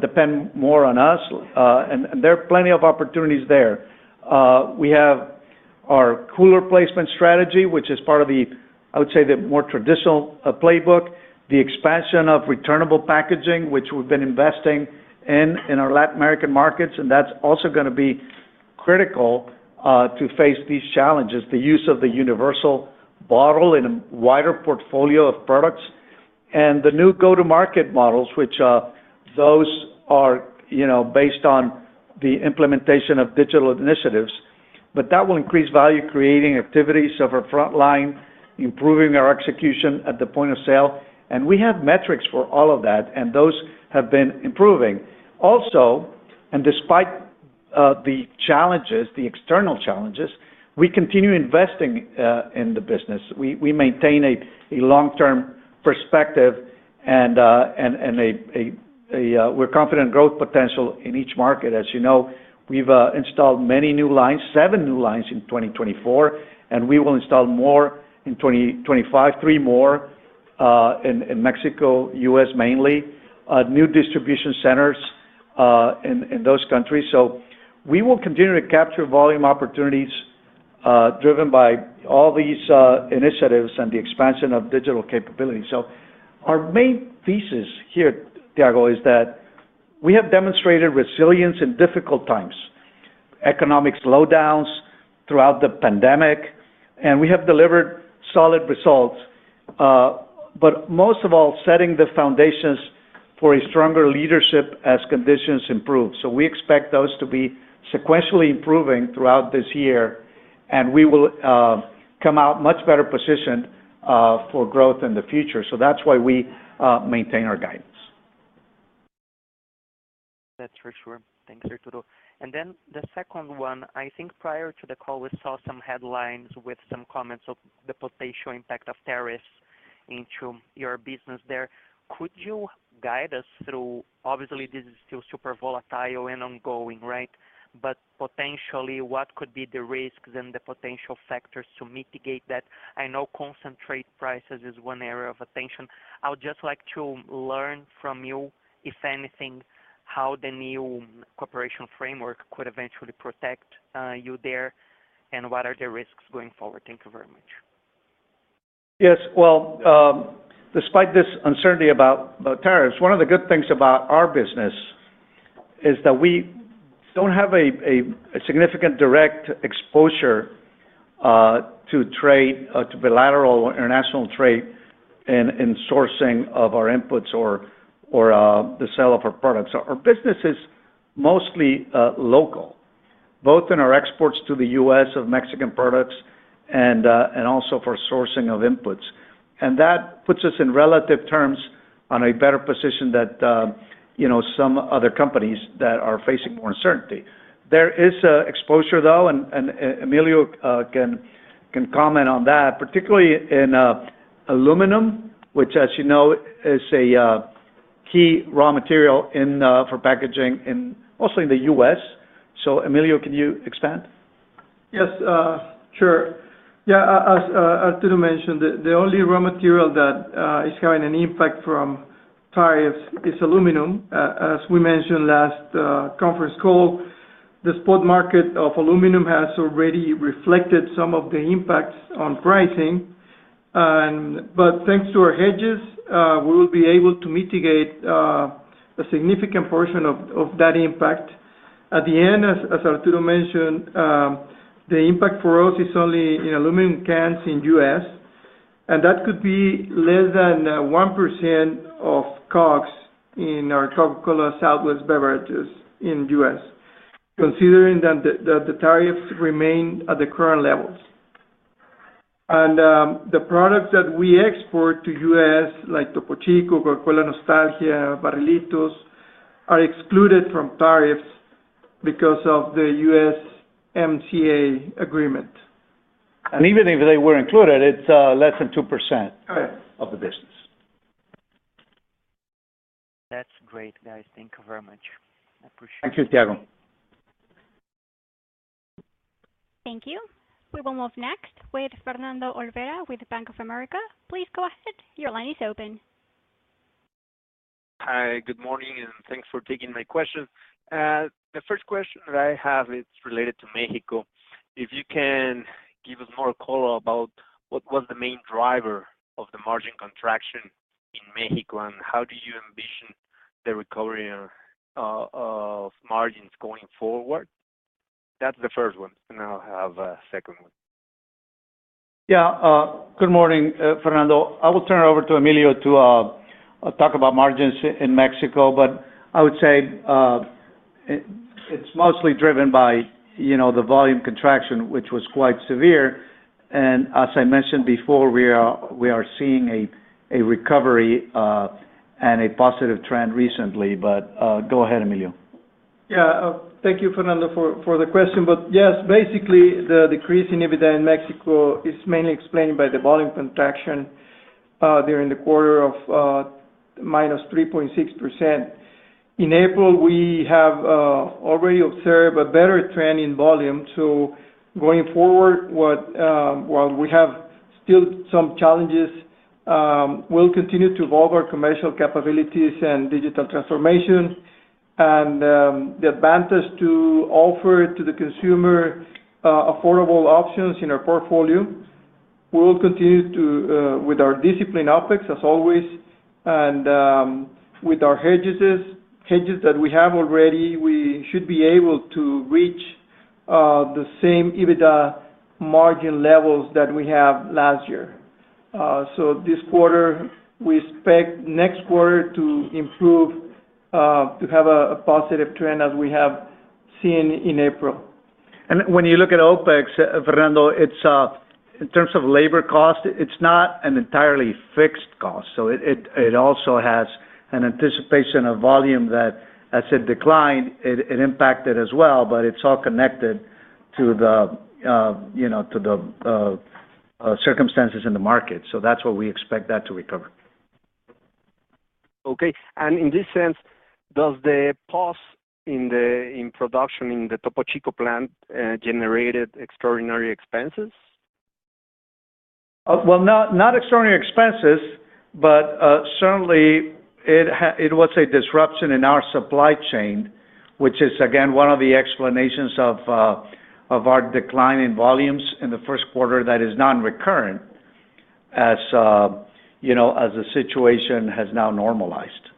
depend more on us, and there are plenty of opportunities there, we have our cooler placement strategy, which is part of the, I would say, the more traditional playbook, the expansion of returnable packaging, which we've been investing in our Latin American markets. That is also going to be critical to face these challenges, the use of the universal bottle in a wider portfolio of products, and the new go-to-market models, which are based on the implementation of digital initiatives. That will increase value-creating activities of our frontline, improving our execution at the point of sale. We have metrics for all of that, and those have been improving. Also, despite the challenges, the external challenges, we continue investing in the business. We maintain a long-term perspective, and we are confident in growth potential in each market. As you know, we have installed many new lines, seven new lines in 2024, and we will install more in 2025, three more in Mexico, U.S. mainly, new distribution centers in those countries. We will continue to capture volume opportunities driven by all these initiatives and the expansion of digital capability. Our main thesis here, Thiago, is that we have demonstrated resilience in difficult times, economic slowdowns throughout the pandemic, and we have delivered solid results. Most of all, setting the foundations for a stronger leadership as conditions improve. We expect those to be sequentially improving throughout this year, and we will come out much better positioned for growth in the future. That is why we maintain our guidance. That is for sure. Thanks, Arturo. The second one, I think prior to the call, we saw some headlines with some comments of the potential impact of tariffs into your business there. Could you guide us through? Obviously, this is still super volatile and ongoing, right? Potentially, what could be the risks and the potential factors to mitigate that? I know concentrate prices is one area of attention. I would just like to learn from you, if anything, how the new corporation framework could eventually protect you there, and what are the risks going forward? Thank you very much. Yes. Despite this uncertainty about tariffs, one of the good things about our business is that we do not have a significant direct exposure to trade, to bilateral international trade in sourcing of our inputs or the sale of our products. Our business is mostly local, both in our exports to the U.S. of Mexican products and also for sourcing of inputs. That puts us, in relative terms, in a better position than some other companies that are facing more uncertainty. There is exposure, though, and Emilio can comment on that, particularly in aluminum, which, as you know, is a key raw material for packaging also in the U.S. Emilio, can you expand? Yes. Sure. As Arturo mentioned, the only raw material that is having an impact from tariffs is aluminum. As we mentioned last conference call, the spot market of aluminum has already reflected some of the impacts on pricing. Thanks to our hedges, we will be able to mitigate a significant portion of that impact. At the end, as Arturo mentioned, the impact for us is only in aluminum cans in the U.S. That could be less than 1% of COGS in our Coca-Cola Southwest Beverages in the U.S., considering that the tariffs remain at the current levels. The products that we export to the U.S., like Topo Chico, Coca-Cola Nostalgia, Barrilitos, are excluded from tariffs because of the USMCA agreement. Even if they were included, it is less than 2% of the business. That's great, guys. Thank you very much. I appreciate it. Thank you, Thiago. Thank you. We will move next with Fernando Olvera with Bank of America. Please go ahead. Your line is open. Hi. Good morning, and thanks for taking my question. The first question that I have is related to Mexico. If you can give us more color about what was the main driver of the margin contraction in Mexico and how do you envision the recovery of margins going forward. That's the first one. I will have a second one. Yeah. Good morning, Fernando. I will turn it over to Emilio to talk about margins in Mexico. I would say it's mostly driven by the volume contraction, which was quite severe. As I mentioned before, we are seeing a recovery and a positive trend recently. Go ahead, Emilio. Yeah. Thank you, Fernando, for the question. Yes, basically, the decrease in EBITDA in Mexico is mainly explained by the volume contraction during the quarter of minus 3.6%. In April, we have already observed a better trend in volume. Going forward, while we have still some challenges, we'll continue to evolve our commercial capabilities and digital transformation and the advantage to offer to the consumer affordable options in our portfolio. We will continue with our disciplined OpEx, as always, and with our hedges that we have already, we should be able to reach the same EBITDA margin levels that we had last year. This quarter, we expect next quarter to improve, to have a positive trend as we have seen in April. When you look at OpEx, Fernando, in terms of labor cost, it's not an entirely fixed cost. It also has an anticipation of volume that, as it declined, it impacted as well. It's all connected to the circumstances in the market. That's what we expect that to recover. Okay. In this sense, does the pause in production in the Topo Chico plant generate extraordinary expenses? Not extraordinary expenses, but certainly, it was a disruption in our supply chain, which is, again, one of the explanations of our decline in volumes in the first quarter that is non-recurrent as the situation has now normalized.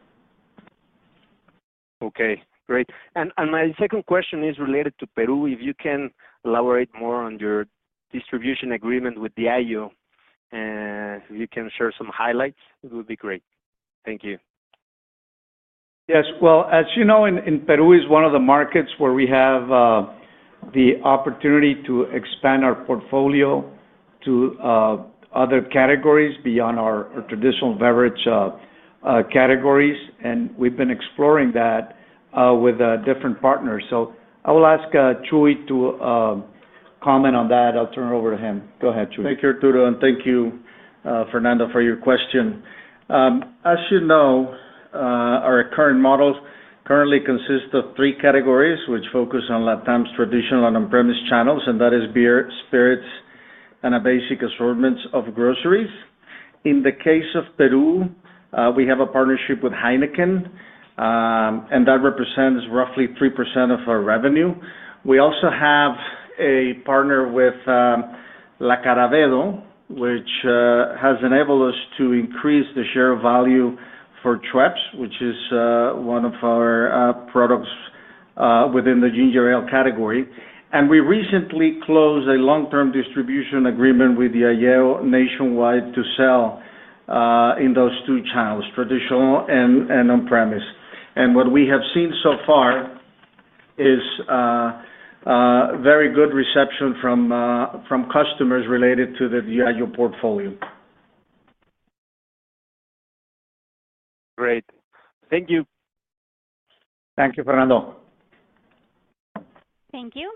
Okay. Great. My second question is related to Peru. If you can elaborate more on your distribution agreement with Diageo, if you can share some highlights, it would be great. Thank you. As you know, Peru is one of the markets where we have the opportunity to expand our portfolio to other categories beyond our traditional beverage categories. We have been exploring that with different partners. I will ask Chuy to comment on that. I'll turn it over to him. Go ahead, Chuy. Thank you, Arturo. Thank you, Fernando, for your question. As you know, our current model currently consists of three categories, which focus on LATAM's traditional and on-premise channels, and that is beer, spirits, and a basic assortment of groceries. In the case of Peru, we have a partnership with Heineken, and that represents roughly 3% of our revenue. We also have a partner with La Caravedo, which has enabled us to increase the share of value for Schweppes, which is one of our products within the ginger ale category. We recently closed a long-term distribution agreement with Diageo nationwide to sell in those two channels, traditional and on-premise. What we have seen so far is very good reception from customers related to the Diageo portfolio. Great. Thank you. Thank you, Fernando. Thank you.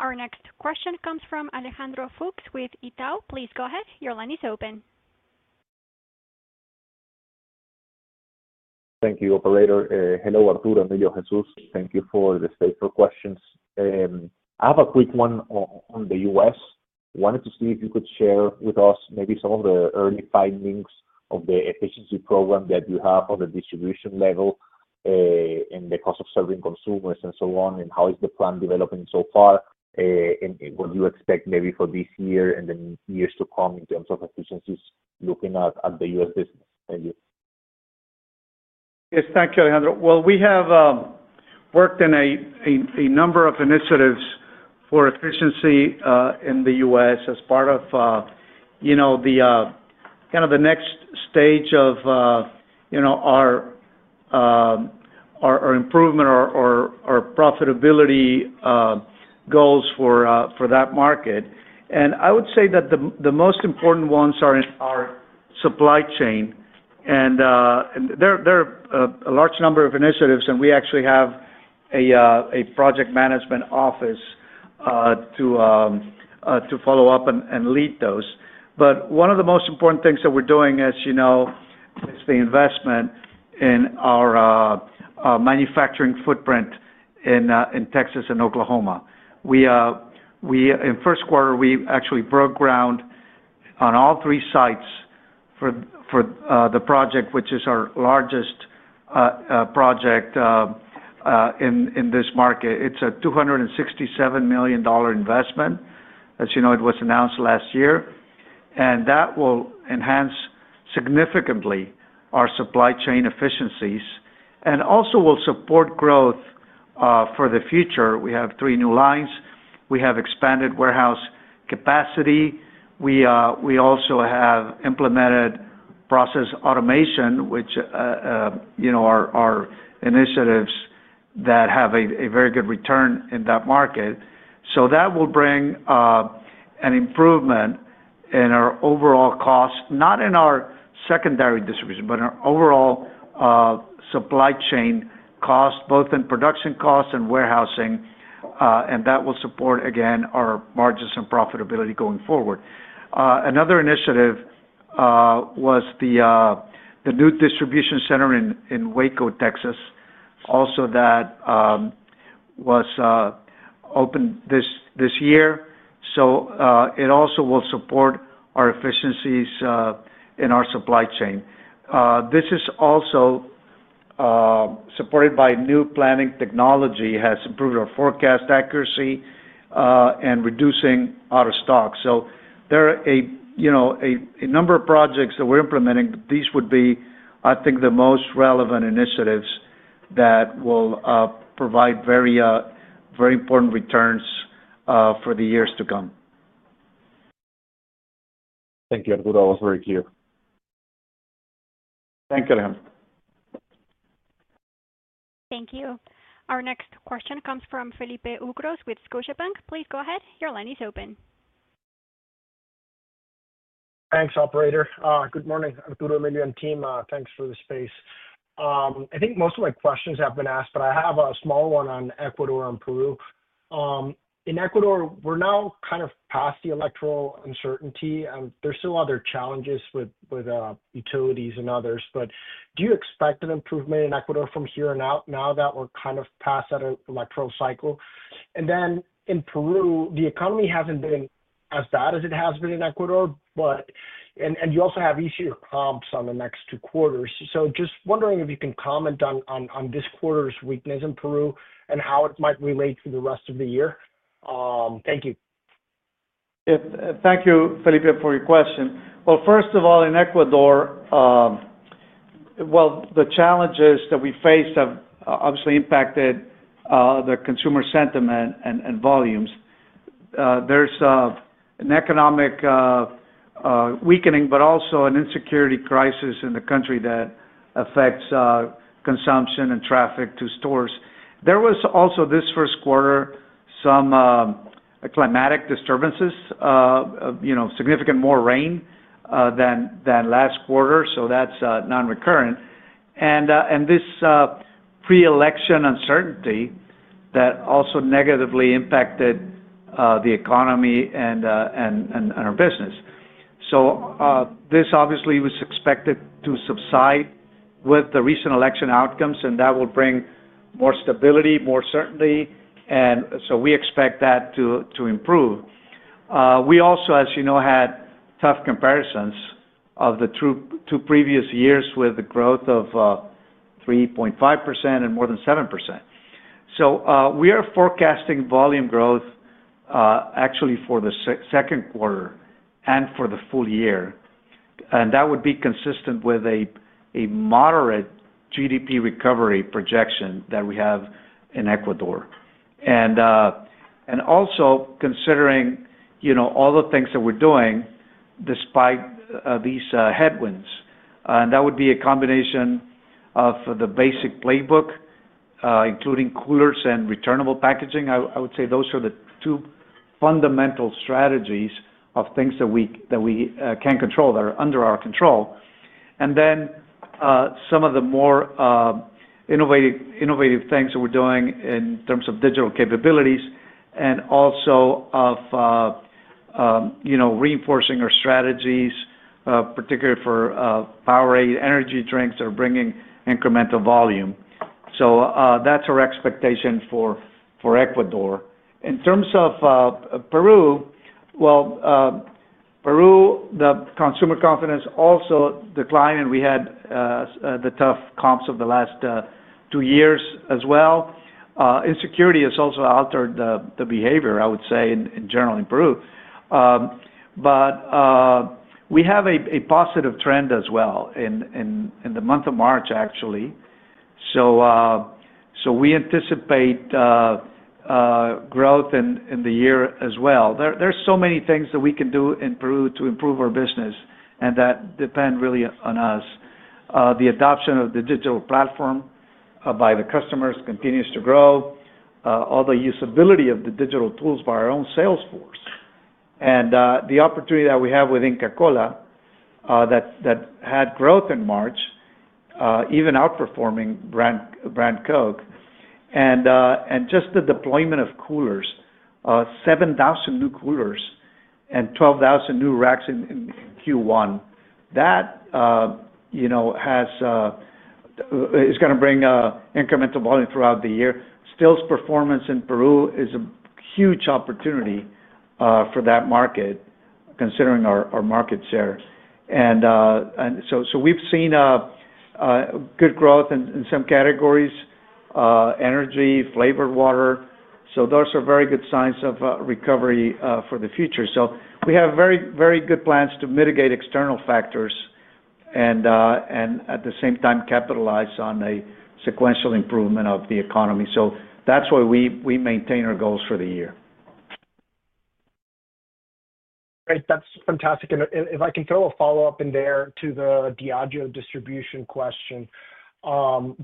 Our next question comes from Alejandro Fuchs with Itau. Please go ahead. Your line is open. Thank you, Operator. Hello, Arturo, Emilio, Jesús. Thank you for the space for questions. I have a quick one on the U.S. Wanted to see if you could share with us maybe some of the early findings of the efficiency program that you have on the distribution level and the cost of serving consumers and so on, and how is the plan developing so far, and what do you expect maybe for this year and the years to come in terms of efficiencies looking at the U.S. business. Thank you. Yes. Thank you, Alejandro. We have worked in a number of initiatives for efficiency in the U.S. as part of the kind of the next stage of our improvement or profitability goals for that market. I would say that the most important ones are our supply chain. There are a large number of initiatives, and we actually have a project management office to follow up and lead those. One of the most important things that we're doing, as you know, is the investment in our manufacturing footprint in Texas and Oklahoma. In the first quarter, we actually broke ground on all three sites for the project, which is our largest project in this market. It's a $267 million investment. As you know, it was announced last year. That will enhance significantly our supply chain efficiencies and also will support growth for the future. We have three new lines. We have expanded warehouse capacity. We also have implemented process automation, which are initiatives that have a very good return in that market. That will bring an improvement in our overall cost, not in our secondary distribution, but in our overall supply chain cost, both in production costs and warehousing. That will support, again, our margins and profitability going forward. Another initiative was the new distribution center in Waco, Texas, also that was opened this year. It also will support our efficiencies in our supply chain. This is also supported by new planning technology that has improved our forecast accuracy and reducing out-of-stock. There are a number of projects that we're implementing. These would be, I think, the most relevant initiatives that will provide very important returns for the years to come. Thank you, Arturo. That was very clear. Thank you, Alejandro. Thank you. Our next question comes from Felipe Ucros with Scotiabank. Please go ahead. Your line is open. Thanks, Operator. Good morning, Arturo, Emilio, and team. Thanks for the space. I think most of my questions have been asked, but I have a small one on Ecuador and Peru. In Ecuador, we're now kind of past the electoral uncertainty. There's still other challenges with utilities and others. Do you expect an improvement in Ecuador from here now that we're kind of past that electoral cycle? In Peru, the economy hasn't been as bad as it has been in Ecuador, and you also have easier comps on the next two quarters. Just wondering if you can comment on this quarter's weakness in Peru and how it might relate to the rest of the year. Thank you. Thank you, Felipe, for your question. First of all, in Ecuador, the challenges that we face have obviously impacted the consumer sentiment and volumes is an economic weakening, but also an insecurity crisis in the country that affects consumption and traffic to stores. There was also this first quarter some climatic disturbances, significantly more rain than last quarter. That is non-recurrent. This pre-election uncertainty also negatively impacted the economy and our business. This was expected to subside with the recent election outcomes, which will bring more stability, more certainty. We expect that to improve. We also, as you know, had tough comparisons of the two previous years with growth of 3.5% and more than 7%. We are forecasting volume growth actually for the second quarter and for the full year. That would be consistent with a moderate GDP recovery projection that we have in Ecuador, also considering all the things that we are doing despite these headwinds. That would be a combination of the basic playbook, including coolers and returnable packaging. I would say those are the two fundamental strategies of things that we can control, that are under our control. Then some of the more innovative things that we're doing in terms of digital capabilities and also of reinforcing our strategies, particularly for Powerade energy drinks that are bringing incremental volume. That's our expectation for Ecuador. In terms of Peru, Peru, the consumer confidence also declined, and we had the tough comps of the last two years as well. Insecurity has also altered the behavior, I would say, in general in Peru. We have a positive trend as well in the month of March, actually. We anticipate growth in the year as well. are so many things that we can do in Peru to improve our business, and that depends really on us. The adoption of the digital platform by the customers continues to grow, all the usability of the digital tools by our own salesforce, and the opportunity that we have with Inca Kola that had growth in March, even outperforming Brand Coke. Just the deployment of coolers, 7,000 new coolers and 12,000 new racks in Q1, that is going to bring incremental volume throughout the year. Still, performance in Peru is a huge opportunity for that market, considering our market share. We have seen good growth in some categories: energy, flavored water. Those are very good signs of recovery for the future. We have very, very good plans to mitigate external factors and, at the same time, capitalize on a sequential improvement of the economy. That is why we maintain our goals for the year. Great. That is fantastic. If I can throw a follow-up in there to the Diageo distribution question,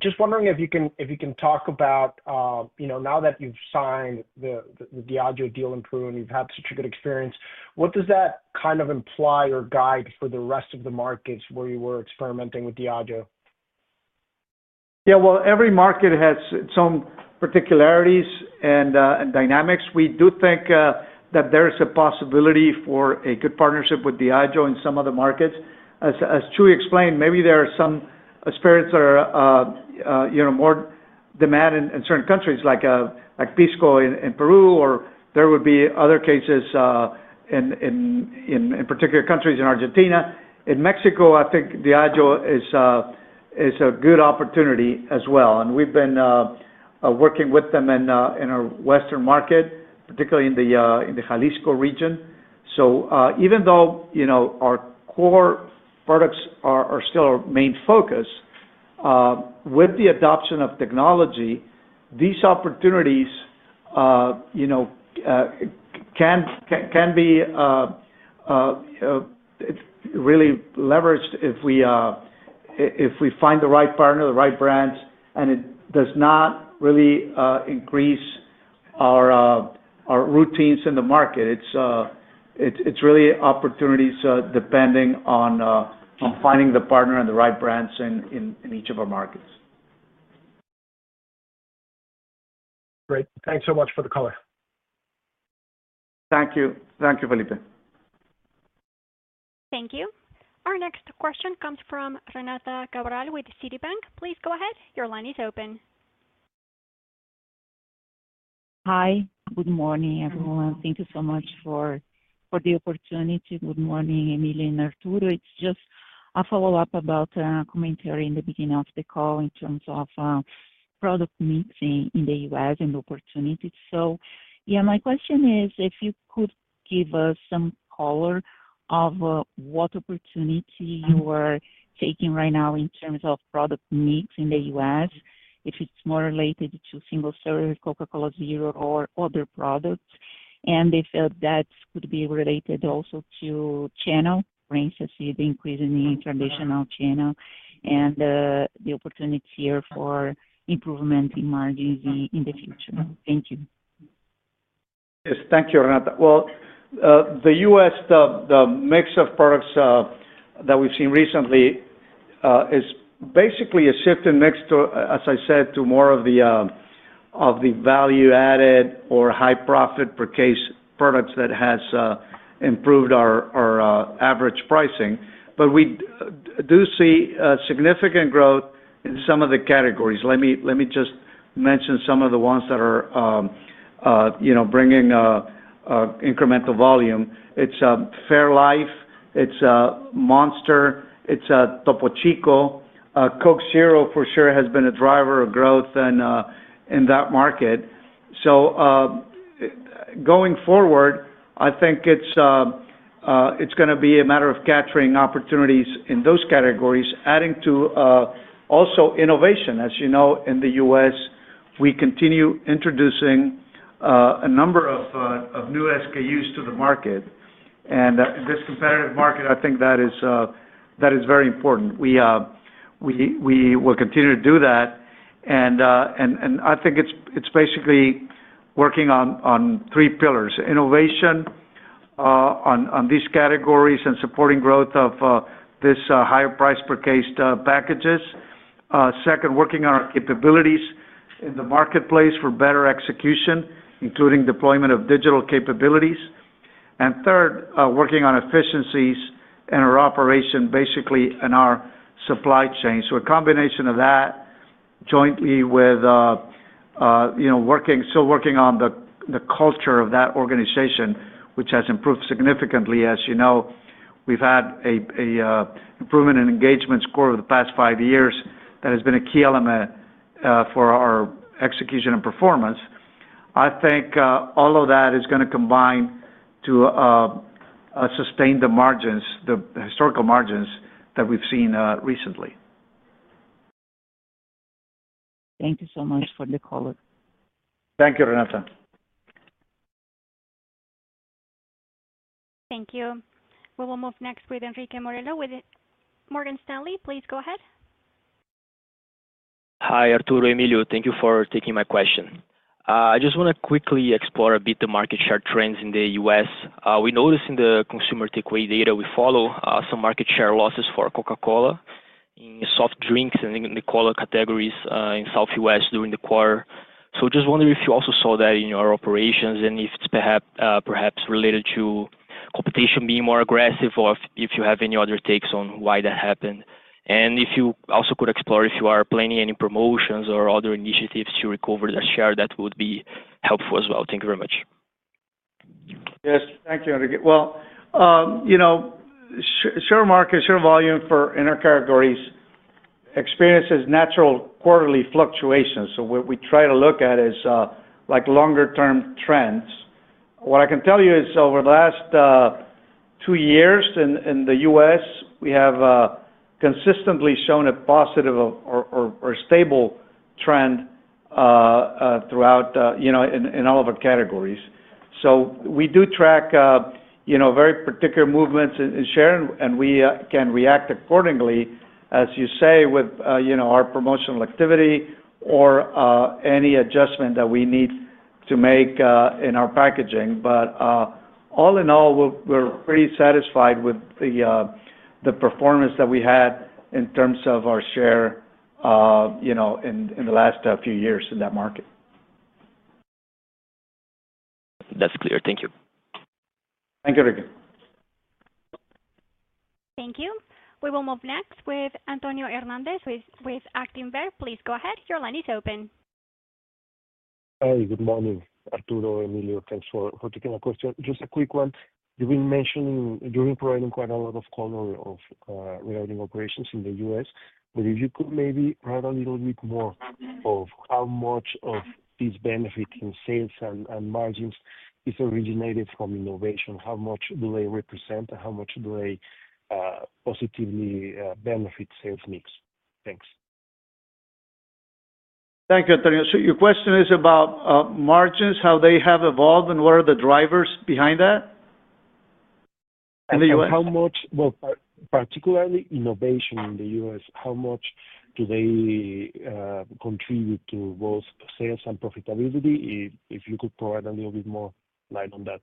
just wondering if you can talk about now that you have signed the Diageo deal in Peru and you have had such a good experience, what does that kind of imply or guide for the rest of the markets where you were experimenting with Diageo? Yeah. Every market has its own particularities and dynamics. We do think that there is a possibility for a good partnership with Diageo in some of the markets. As Chuy explained, maybe there are some spirits that are more demanded in certain countries like Pisco in Peru, or there would be other cases in particular countries in Argentina. In Mexico, I think Diageo is a good opportunity as well. We have been working with them in our western market, particularly in the Jalisco region. Even though our core products are still our main focus, with the adoption of technology, these opportunities can be really leveraged if we find the right partner, the right brands, and it does not really increase our routines in the market. It is really opportunities depending on finding the partner and the right brands in each of our markets. Great. Thanks so much for the color. Thank you. Thank you, Felipe. Thank you. Our next question comes from Renata Cabral with Citibank. Please go ahead. Your line is open. Hi. Good morning, everyone. Thank you so much for the opportunity. Good morning, Emilio and Arturo. It is just a follow-up about a commentary in the beginning of the call in terms of product mixing in the U.S. and opportunity. Yes, my question is if you could give us some color of what opportunity you are taking right now in terms of product mix in the U.S., if it is more related to single service, Coca-Cola Zero, or other products. If that could be related also to channel, for instance, the increase in the international channel and the opportunity here for improvement in margins in the future. Thank you. Yes. Thank you, Renata. The U.S., the mix of products that we have seen recently is basically a shift in mix to, as I said, more of the value-added or high-profit per case products that has improved our average pricing. We do see significant growth in some of the categories. Let me just mention some of the ones that are bringing incremental volume. It is Fairlife. It is Monster. It is Topo Chico. Coke Zero, for sure, has been a driver of growth in that market. Going forward, I think it's going to be a matter of capturing opportunities in those categories, adding to also innovation. As you know, in the U.S., we continue introducing a number of new SKUs to the market. In this competitive market, I think that is very important. We will continue to do that. I think it's basically working on three pillars: innovation on these categories and supporting growth of these higher price-per-case packages. Second, working on our capabilities in the marketplace for better execution, including deployment of digital capabilities. Third, working on efficiencies in our operation, basically in our supply chain. A combination of that, jointly with still working on the culture of that organization, which has improved significantly. As you know, we've had an improvement in engagement score over the past five years that has been a key element for our execution and performance. I think all of that is going to combine to sustain the historical margins that we've seen recently. Thank you so much for the color. Thank you, Renata. Thank you. We will move next with HHHenrique Morello, Morgan Stanley, please go ahead. Hi, Arturo, Emilio. Thank you for taking my question. I just want to quickly explore a bit the market share trends in the U.S. We noticed in the consumer takeaway data, we follow some market share losses for Coca-Cola in soft drinks and in the cola categories in Southwest during the quarter. Just wondering if you also saw that in your operations and if it is perhaps related to competition being more aggressive or if you have any other takes on why that happened. If you also could explore if you are planning any promotions or other initiatives to recover that share, that would be helpful as well. Thank you very much. Yes. Thank you, Henrique. Share market, share volume for intercategories experiences natural quarterly fluctuations. What we try to look at is longer-term trends. What I can tell you is over the last two years in the U.S., we have consistently shown a positive or stable trend throughout in all of our categories. We do track very particular movements in share, and we can react accordingly, as you say, with our promotional activity or any adjustment that we need to make in our packaging. But all in all, we're pretty satisfied with the performance that we had in terms of our share in the last few years in that market. That's clear. Thank you. Thank you, Henrique. Thank you. We will move next with Antonio Hernández with Actinver. Please go ahead. Your line is open. Hi. Good morning, Arturo, Emilio. Thanks for taking the question. Just a quick one. You've been mentioning you've been providing quite a lot of color regarding operations in the U.S. If you could maybe add a little bit more of how much of this benefit in sales and margins is originated from innovation, how much do they represent, and how much do they positively benefit sales mix. Thanks. Thank you, Antonio. Your question is about margins, how they have evolved, and what are the drivers behind that in the U.S.? Particularly innovation in the U.S., how much do they contribute to both sales and profitability? If you could provide a little bit more light on that.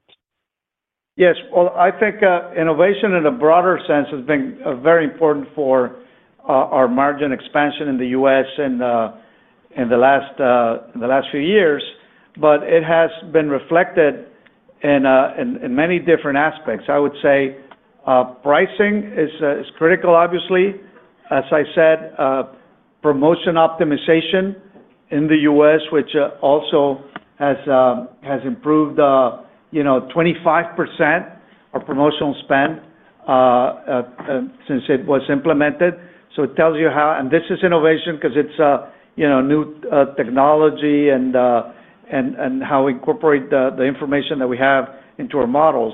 Yes. I think innovation in a broader sense has been very important for our margin expansion in the U.S. in the last few years, but it has been reflected in many different aspects. I would say pricing is critical, obviously. As I said, promotion optimization in the U.S., which also has improved 25% of promotional spend since it was implemented. It tells you how, and this is innovation because it is new technology and how we incorporate the information that we have into our models.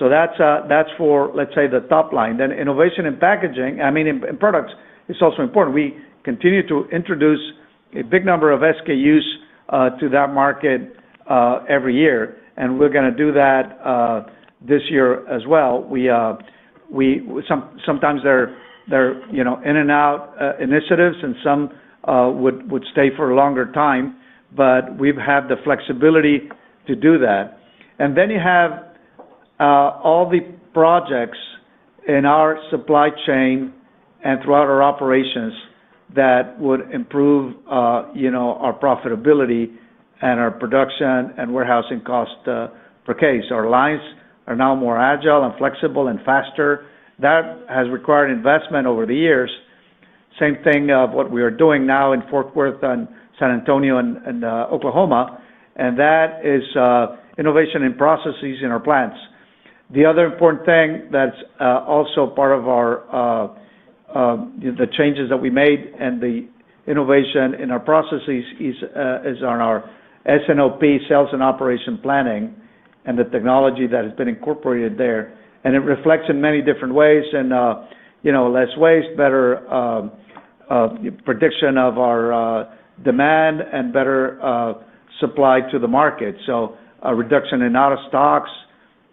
That is for, let's say, the top line. Then innovation in packaging, I mean, in products, is also important. We continue to introduce a big number of SKUs to that market every year, and we're going to do that this year as well. Sometimes they're in and out initiatives, and some would stay for a longer time, but we've had the flexibility to do that. You have all the projects in our supply chain and throughout our operations that would improve our profitability and our production and warehousing cost per case. Our lines are now more agile and flexible and faster. That has required investment over the years. The same thing is what we are doing now in Fort Worth and San Antonio and Oklahoma, and that is innovation in processes in our plants. The other important thing that's also part of the changes that we made and the innovation in our processes is on our S&OP, sales and operation planning, and the technology that has been incorporated there. It reflects in many different ways: less waste, better prediction of our demand, and better supply to the market. A reduction in out-of-stocks.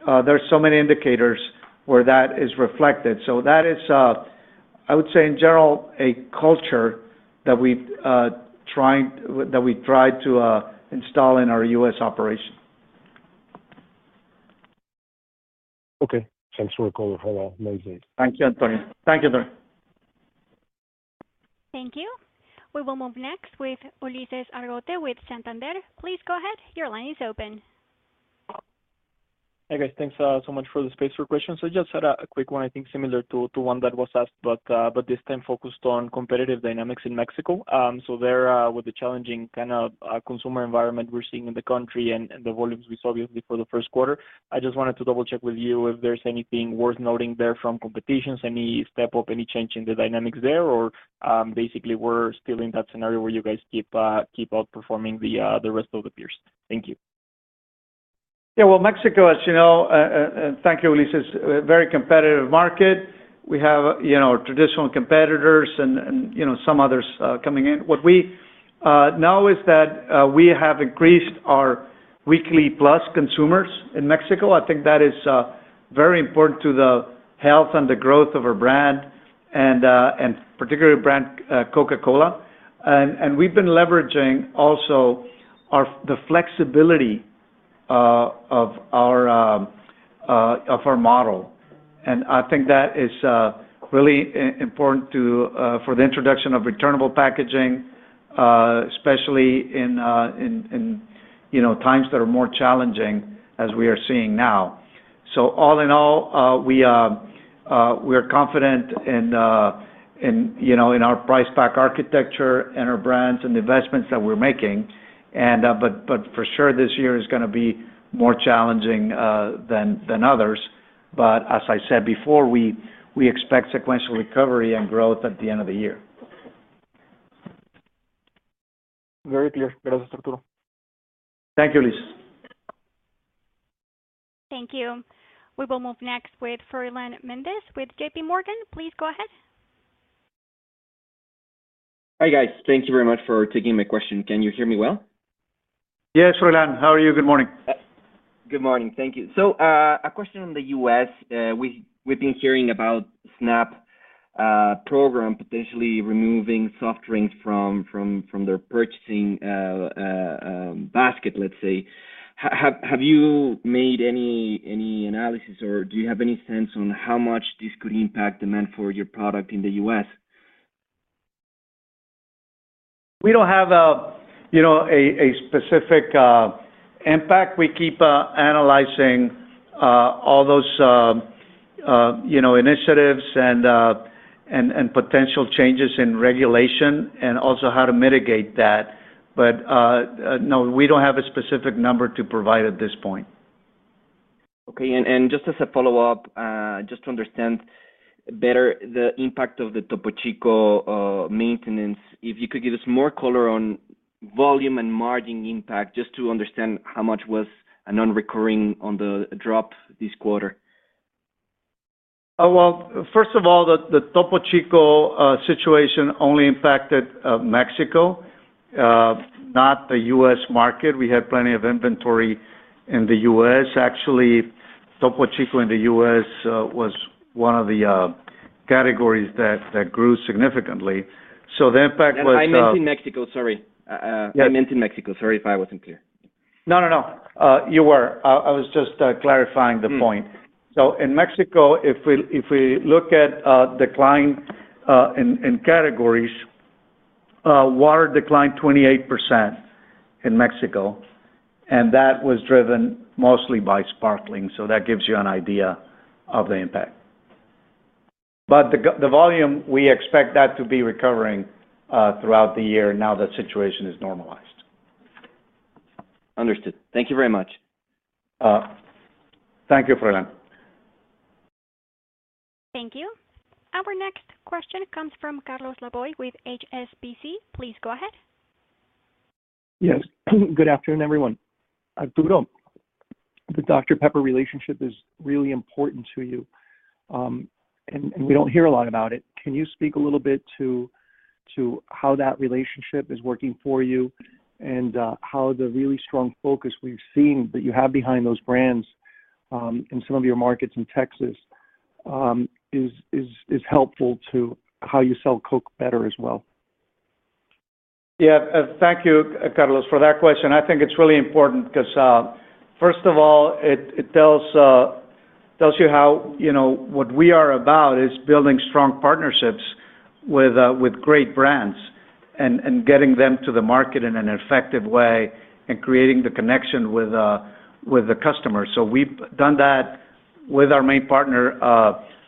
There are so many indicators where that is reflected. That is, I would say, in general, a culture that we've tried to install in our U.S. operation. Okay. Thanks for the call. Amazing. Thank you, Antonio. Thank you, Tony. Thank you. We will move next with Ulises Argote with Santander. Please go ahead. Your line is open. Hey, guys. Thanks so much for the space for questions. I just had a quick one, I think similar to one that was asked, but this time focused on competitive dynamics in Mexico. There, with the challenging kind of consumer environment we're seeing in the country and the volumes we saw, obviously, for the first quarter, I just wanted to double-check with you if there's anything worth noting there from competition, any step up, any change in the dynamics there, or basically, we're still in that scenario where you guys keep outperforming the rest of the peers. Thank you. Yeah. Mexico, as you know, and thank you, Ulises, is a very competitive market. We have traditional competitors and some others coming in. What we know is that we have increased our weekly plus consumers in Mexico. I think that is very important to the health and the growth of our brand, and particularly brand Coca-Cola. We have been leveraging also the flexibility of our model. I think that is really important for the introduction of returnable packaging, especially in times that are more challenging as we are seeing now. All in all, we are confident in our price-pack architecture and our brands and the investments that we are making. For sure, this year is going to be more challenging than others. As I said before, we expect sequential recovery and growth at the end of the year. Very clear. Gracias, Arturo. Thank you, Ulises. Thank you. We will move next with Froylan Mendez with JPMorgan. Please go ahead. Hi, guys. Thank you very much for taking my question. Can you hear me well? Yes, Froylan. How are you? Good morning. Good morning. Thank you. A question on the U.S. We've been hearing about SNAP program, potentially removing soft drinks from their purchasing basket, let's say. Have you made any analysis, or do you have any sense on how much this could impact demand for your product in the U.S.? We don't have a specific impact. We keep analyzing all those initiatives and potential changes in regulation and also how to mitigate that. No, we don't have a specific number to provide at this point. Okay. Just as a follow-up, just to understand better the impact of the Topo Chico maintenance, if you could give us more color on volume and margin impact, just to understand how much was non-recurring on the drop this quarter. First of all, the Topo Chico situation only impacted Mexico, not the U.S. market. We had plenty of inventory in the U.S. Actually, Topo Chico in the U.S. was one of the categories that grew significantly. The impact was. I meant in Mexico. Sorry. I meant in Mexico. Sorry if I wasn't clear. No, no, no. You were. I was just clarifying the point. In Mexico, if we look at decline in categories, water declined 28% in Mexico. That was driven mostly by sparkling. That gives you an idea of the impact. The volume, we expect that to be recovering throughout the year now that situation is normalized. Understood. Thank you very much. Thank you, Froylan. Thank you. Our next question comes from Carlos Laboy with HSBC. Please go ahead. Yes. Good afternoon, everyone. Arturo, the Dr Pepper relationship is really important to you, and we don't hear a lot about it. Can you speak a little bit to how that relationship is working for you and how the really strong focus we've seen that you have behind those brands in some of your markets in Texas is helpful to how you sell Coke better as well? Yeah. Thank you, Carlos, for that question. I think it's really important because, first of all, it tells you how what we are about is building strong partnerships with great brands and getting them to the market in an effective way and creating the connection with the customers. We've done that with our main partner,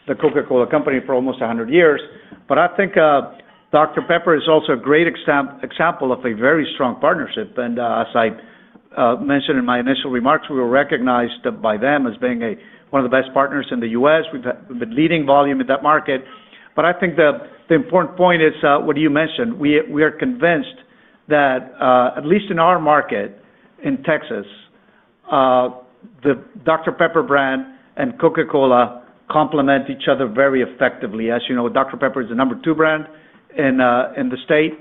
The Coca-Cola Company, for almost 100 years. I think Dr Pepper is also a great example of a very strong partnership. As I mentioned in my initial remarks, we were recognized by them as being one of the best partners in the U.S. We've been leading volume in that market. I think the important point is what you mentioned. We are convinced that, at least in our market in Texas, the Dr Pepper brand and Coca-Cola complement each other very effectively. As you know, Dr Pepper is the number two brand in the state.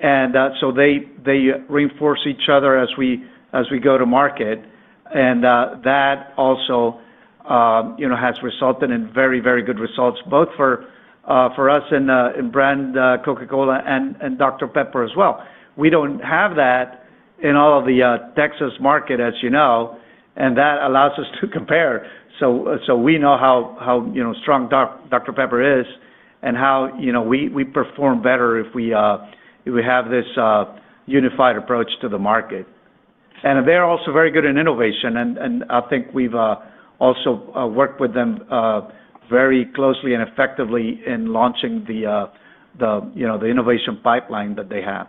They reinforce each other as we go to market. That also has resulted in very, very good results, both for us in brand Coca-Cola and Dr Pepper as well. We do not have that in all of the Texas market, as you know, and that allows us to compare. We know how strong Dr Pepper is and how we perform better if we have this unified approach to the market. They are also very good in innovation. I think we have also worked with them very closely and effectively in launching the innovation pipeline that they have.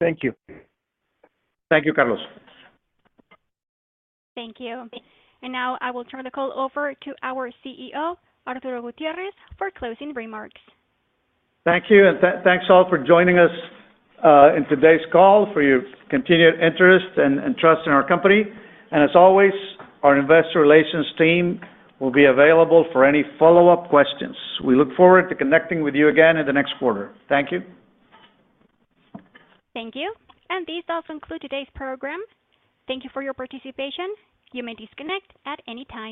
Thank you. Thank you, Carlos. Thank you. I will turn the call over to our CEO, Arturo Gutiérrez, for closing remarks. Thank you. Thanks all for joining us in today's call for your continued interest and trust in our company. As always, our Investor Relations team will be available for any follow-up questions. We look forward to connecting with you again in the next quarter. Thank you. Thank you. This does conclude today's program. Thank you for your participation. You may disconnect at any time.